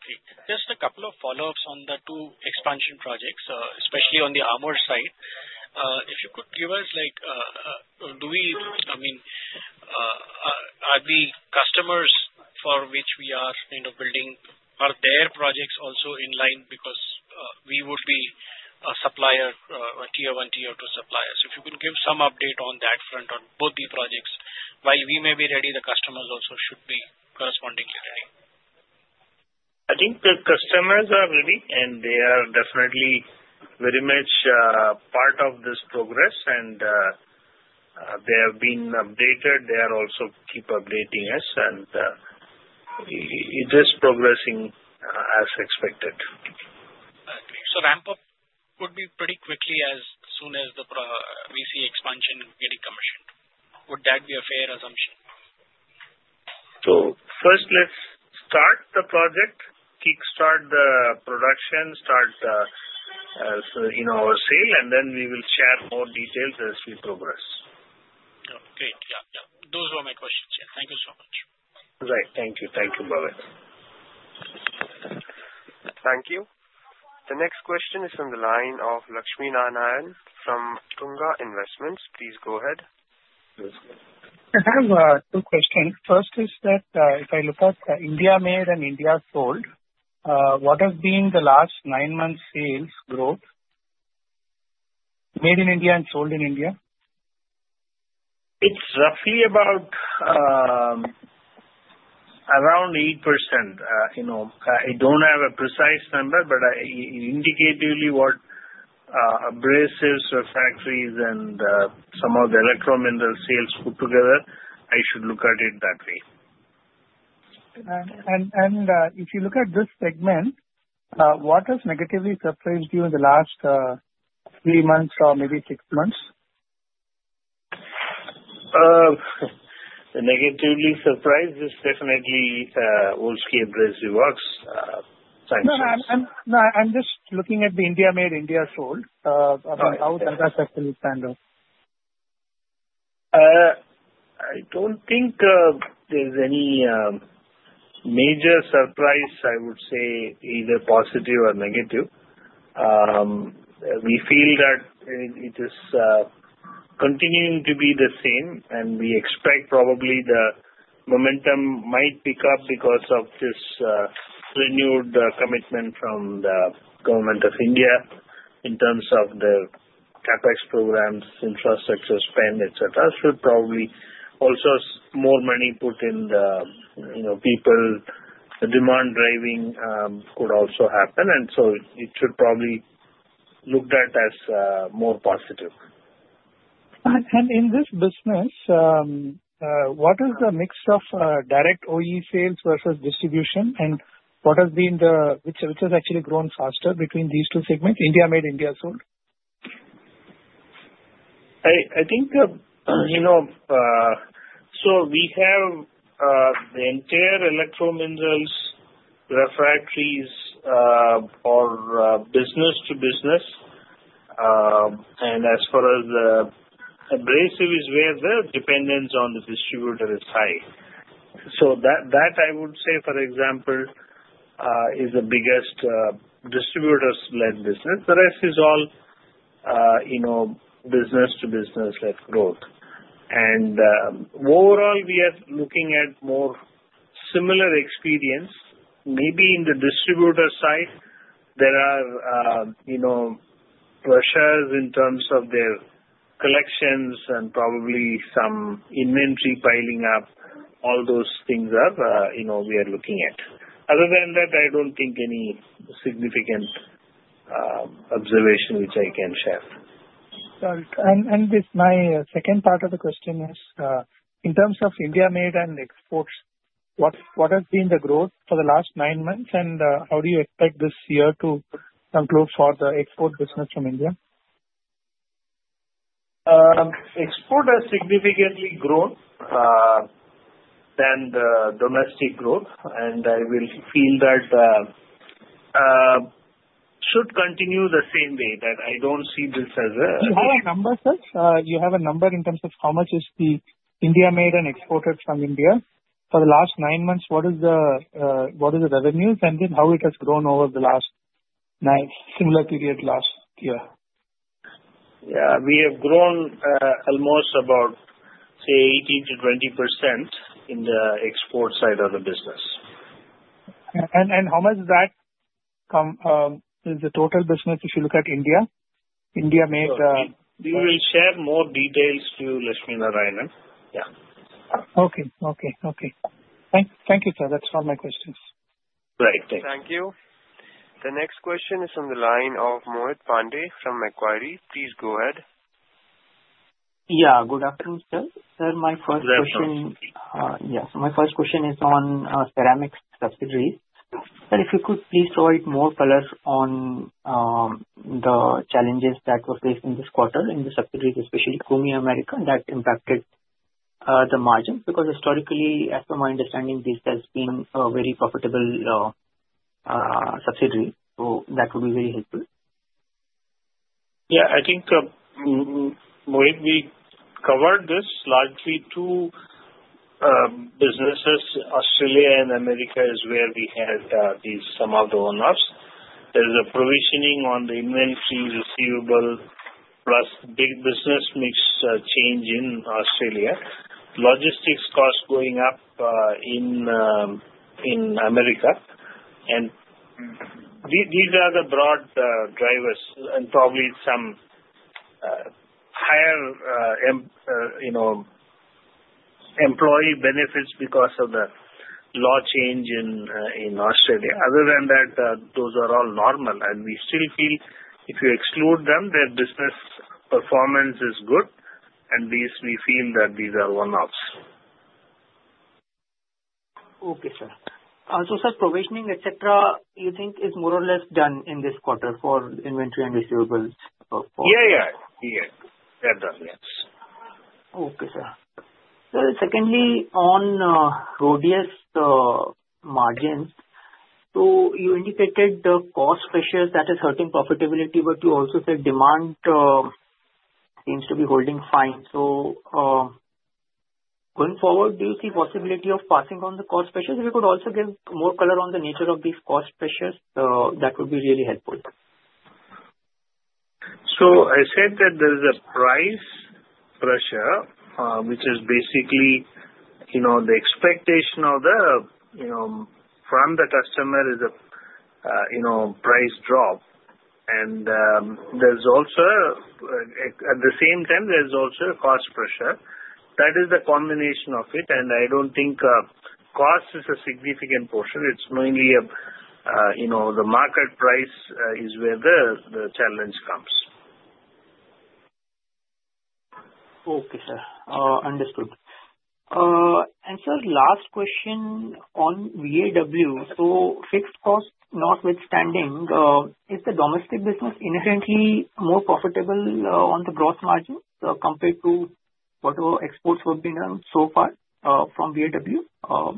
Okay. Just a couple of follow-ups on the two expansion projects, especially on the armor side. If you could give us, like, do we—I mean, are the customers for which we are kind of building, are their projects also in line because we would be a supplier, a Tier 1, Tier 2 suppliers? If you can give some update on that front on both the projects. While we may be ready, the customers also should be correspondingly ready. I think the customers are ready, and they are definitely very much part of this progress. And they have been updated. They are also keep updating us. And it is progressing as expected. So ramp-up would be pretty quickly as soon as the project we see expansion getting commissioned. Would that be a fair assumption? So first, let's start the project, kickstart the production, start, you know, our sale, and then we will share more details as we progress. Okay. Yeah, yeah. Those were my questions. Yeah. Thank you so much. Right. Thank you. Thank you, Bhavin. Thank you. The next question is from the line of Lakshminarayanan from Tunga Investments. Please go ahead. Yes. I have two questions. First is that if I look at India made and India sold, what has been the last nine months' sales growth made in India and sold in India? It's roughly about around 8%. You know, I don't have a precise number, but I indicatively what Abrasives or refractories and some of the Electrominerals sales put together, I should look at it that way. If you look at this segment, what has negatively surprised you in the last three months or maybe six months? The negative surprise is definitely Volzhsky Abrasive Works [this time]. No, I'm just looking at the India-made, India-sold. About how does that affect the standalone? I don't think there's any major surprise, I would say, either positive or negative. We feel that it is continuing to be the same. We expect probably the momentum might pick up because of this renewed commitment from the government of India in terms of the CapEx programs, infrastructure spend, etc. So probably also more money put in the, you know, people, the demand driving, could also happen. It should probably look at as more positive. In this business, what is the mix of direct OE sales versus distribution? And what has been the which has actually grown faster between these two segments, India made India sold? I think, you know, so we have the entire Electrominerals, Refractories for business to business. And as far as the Abrasives are there, the dependence on the distributor is high. So that I would say, for example, is the biggest distributor-led business. The rest is all, you know, business to business-led growth. Overall, we are looking at more similar experience. Maybe in the distributor side, there are, you know, pressures in terms of their collections and probably some inventory piling up. All those things are, you know, we are looking at. Other than that, I don't think any significant observation which I can share. Got it. And this is my second part of the question. In terms of India-made and exports, what has been the growth for the last nine months? And how do you expect this year to conclude for the export business from India? Exports have significantly grown more than the domestic growth. And I feel that it should continue the same way. I don't see this as a [problem]. Do you have a number, sir? Do you have a number in terms of how much is the India-made and exported from India for the last nine months? What is the revenues? And then how it has grown over the last nine similar period last year? Yeah. We have grown almost about, say, 18%-20% in the export side of the business. And how much does that come to? Is the total business if you look at India? India made. We will share more details to Lakshminarayanan. Yeah. Okay. Thank you, sir. That's all my questions. Right. Thanks. Thank you. The next question is from the line of Mohit Pandey from Macquarie. Please go ahead. Yeah. Good afternoon, sir. Sir, my first question. Good afternoon. Yes. My first question is on Ceramics subsidiaries. Sir, if you could please provide more color on the challenges that were faced in this quarter in the subsidiaries, especially CUMI America, that impacted the margins. Because historically, as per my understanding, this has been a very profitable subsidiary. So that would be very helpful. Yeah. I think, Mohit, we covered this largely. Two businesses. Australia and America is where we had these. Some of the issues. There's a provisioning on the inventory receivable plus big business mix change in Australia. Logistics costs going up in America. And these are the broad drivers and probably some higher, you know, employee benefits because of the law change in Australia. Other than that, those are all normal. And we still feel if you exclude them, their business performance is good. And these, we feel that these are one-offs. Okay, sir. So sir, provisioning, etc., you think is more or less done in this quarter for inventory and receivables for. Yeah, yeah. Yeah. They're done. Yes. Okay, sir. Sir, secondly, on RHODIUS margins, so you indicated the cost pressures that are hurting profitability, but you also said demand seems to be holding fine. So, going forward, do you see possibility of passing on the cost pressures? If you could also give more color on the nature of these cost pressures, that would be really helpful. so I said that there is a price pressure, which is basically, you know, the expectation of the, you know, from the customer is a, you know, price drop, and there's also, at the same time, there's also a cost pressure. That is the combination of it, and I don't think cost is a significant portion. It's mainly a, you know, the market price is where the challenge comes. Okay, sir. Understood, and sir, last question on VAW. So fixed cost, notwithstanding, is the domestic business inherently more profitable, on the gross margin, compared to whatever exports have been done so far from VAW?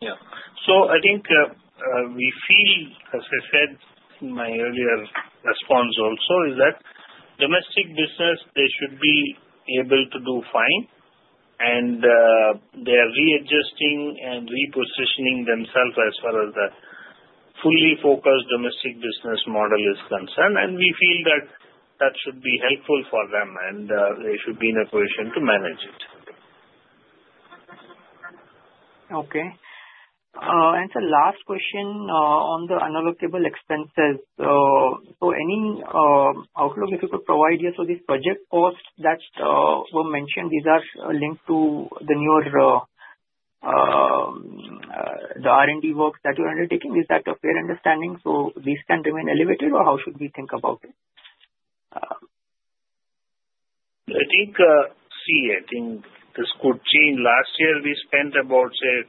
Yeah, so I think we feel, as I said in my earlier response also, is that domestic business they should be able to do fine. They are readjusting and repositioning themselves as far as the fully focused domestic business model is concerned. We feel that that should be helpful for them. They should be in a position to manage it. Okay. Sir, last question on the unallocable expenses. Any outlook if you could provide here for this project cost that were mentioned? These are linked to the newer, the R&D works that you are undertaking. Is that a fair understanding? These can remain elevated, or how should we think about it? I think, see, I think this could change. Last year, we spent about, say,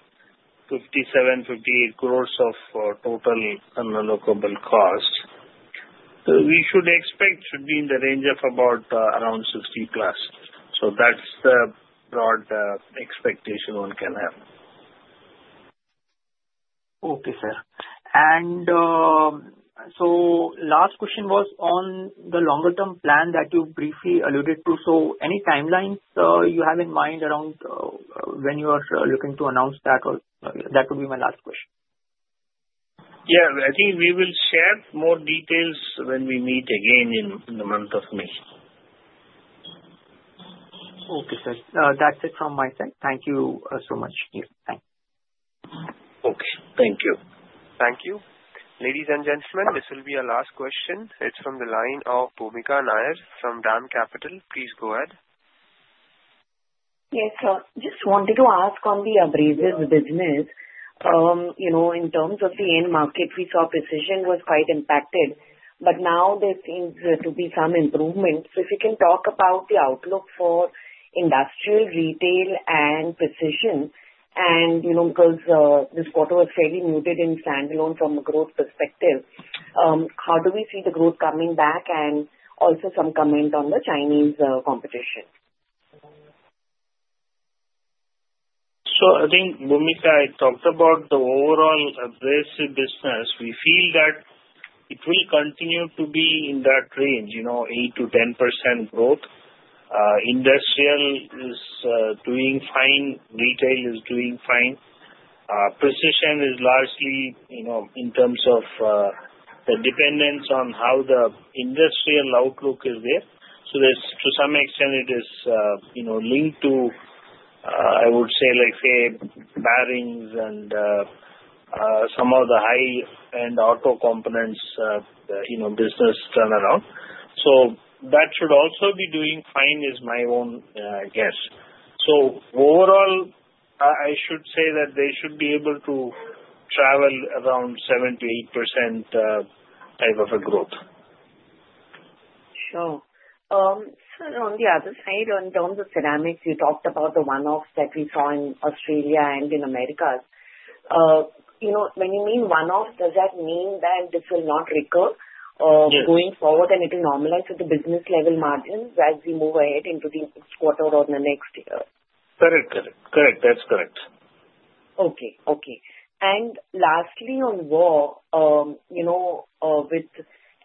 57 crores, 58 crores of total unallocable cost. We should expect it to be in the range of about around 60+. That is the broad expectation one can have. Okay, sir. The last question was on the longer-term plan that you briefly alluded to. So any timelines you have in mind around when you are looking to announce that? Or that would be my last question. Yeah. I think we will share more details when we meet again in the month of May. Okay, sir. That's it from my side. Thank you so much. Thanks. Okay. Thank you. Thank you. Ladies and gentlemen, this will be our last question. It's from the line of Bhoomika Nair from DAM Capital. Please go ahead. Yes, sir. Just wanted to ask on the Abrasives business. You know, in terms of the end market, we saw precision was quite impacted. But now there seems to be some improvement. So if you can talk about the outlook for industrial retail and precision. You know, because this quarter was fairly muted and standalone from a growth perspective, how do we see the growth coming back and also some comment on the Chinese competition? I think, Bhoomika, I talked about the overall Abrasives business. We feel that it will continue to be in that range, you know, 8-10% growth. Industrial is doing fine. Retail is doing fine. Precision is largely, you know, in terms of the dependence on how the industrial outlook is there. So there's, to some extent, it is, you know, linked to, I would say, like, say, bearings and some of the high-end auto components, you know, business turnaround. So that should also be doing fine is my own guess. So overall, I should say that they should be able to travel around 7%-8%, type of a growth. Sure. Sir, on the other side, in terms of Ceramics, you talked about the one-offs that we saw in Australia and in America. You know, when you mean one-off, does that mean that this will not recur? Yes. Going forward, and it will normalize to the business-level margins as we move ahead into the next quarter or the next year? Correct. Correct. Correct. That's correct. Okay. Okay. And lastly, on VAW, you know, with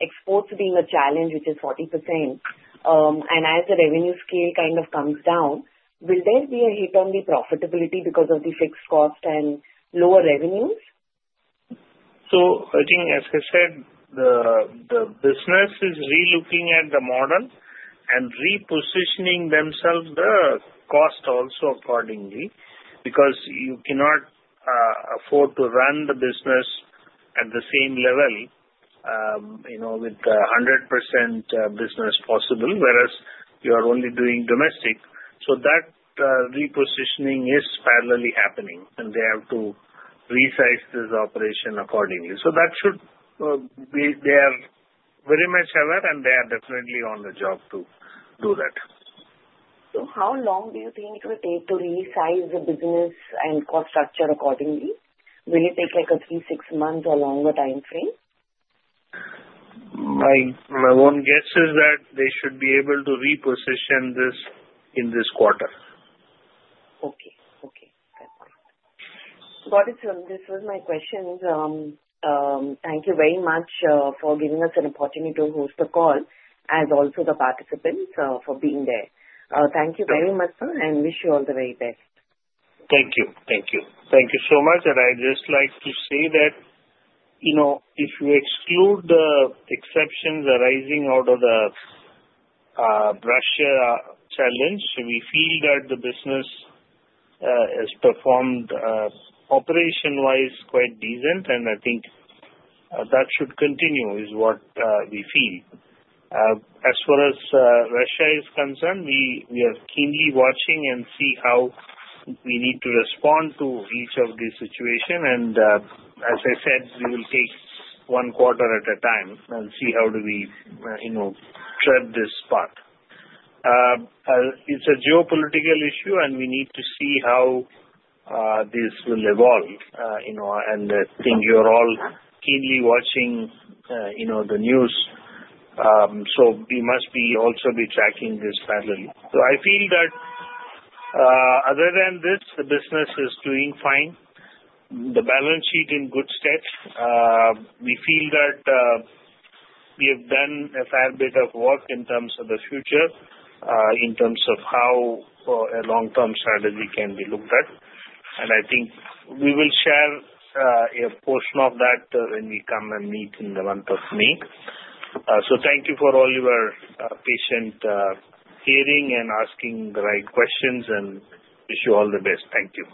exports being a challenge, which is 40%, and as the revenue scale kind of comes down, will there be a hit on the profitability because of the fixed cost and lower revenues? So I think, as I said, the business is relooking at the model and repositioning themselves the cost also accordingly. Because you cannot afford to run the business at the same level, you know, with the 100% business possible, whereas you are only doing domestic. So that repositioning is parallelly happening. And they have to resize this operation accordingly. So that should be they are very much aware, and they are definitely on the job to do that. So how long do you think it will take to resize the business and cost structure accordingly? Will it take like a three, six months or longer time frame? My own guess is that they should be able to reposition this in this quarter. Okay. Okay. Got it, sir. This was my questions. Thank you very much for giving us an opportunity to host the call, as also the participants, for being there. Thank you very much, sir, and wish you all the very best. Thank you. Thank you. Thank you so much. And I'd just like to say that, you know, if you exclude the exceptions arising out of the Russia challenge, we feel that the business has performed operation-wise quite decent. And I think that should continue is what we feel. As far as Russia is concerned, we are keenly watching and see how we need to respond to each of these situations. And, as I said, we will take one quarter at a time and see how do we, you know, tread this path. It's a geopolitical issue, and we need to see how this will evolve, you know, and I think you're all keenly watching, you know, the news. So we must also be tracking this parallelly. So I feel that, other than this, the business is doing fine. The balance sheet in good stead. We feel that we have done a fair bit of work in terms of the future, in terms of how a long-term strategy can be looked at, and I think we will share a portion of that when we come and meet in the month of May, so thank you for all your patient hearing and asking the right questions, and wish you all the best. Thank you.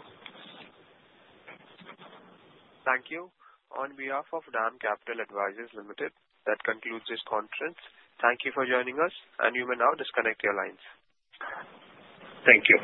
Thank you. On behalf of DAM Capital Advisors Limited, that concludes this conference. Thank you for joining us, and you may now disconnect your lines. Thank you.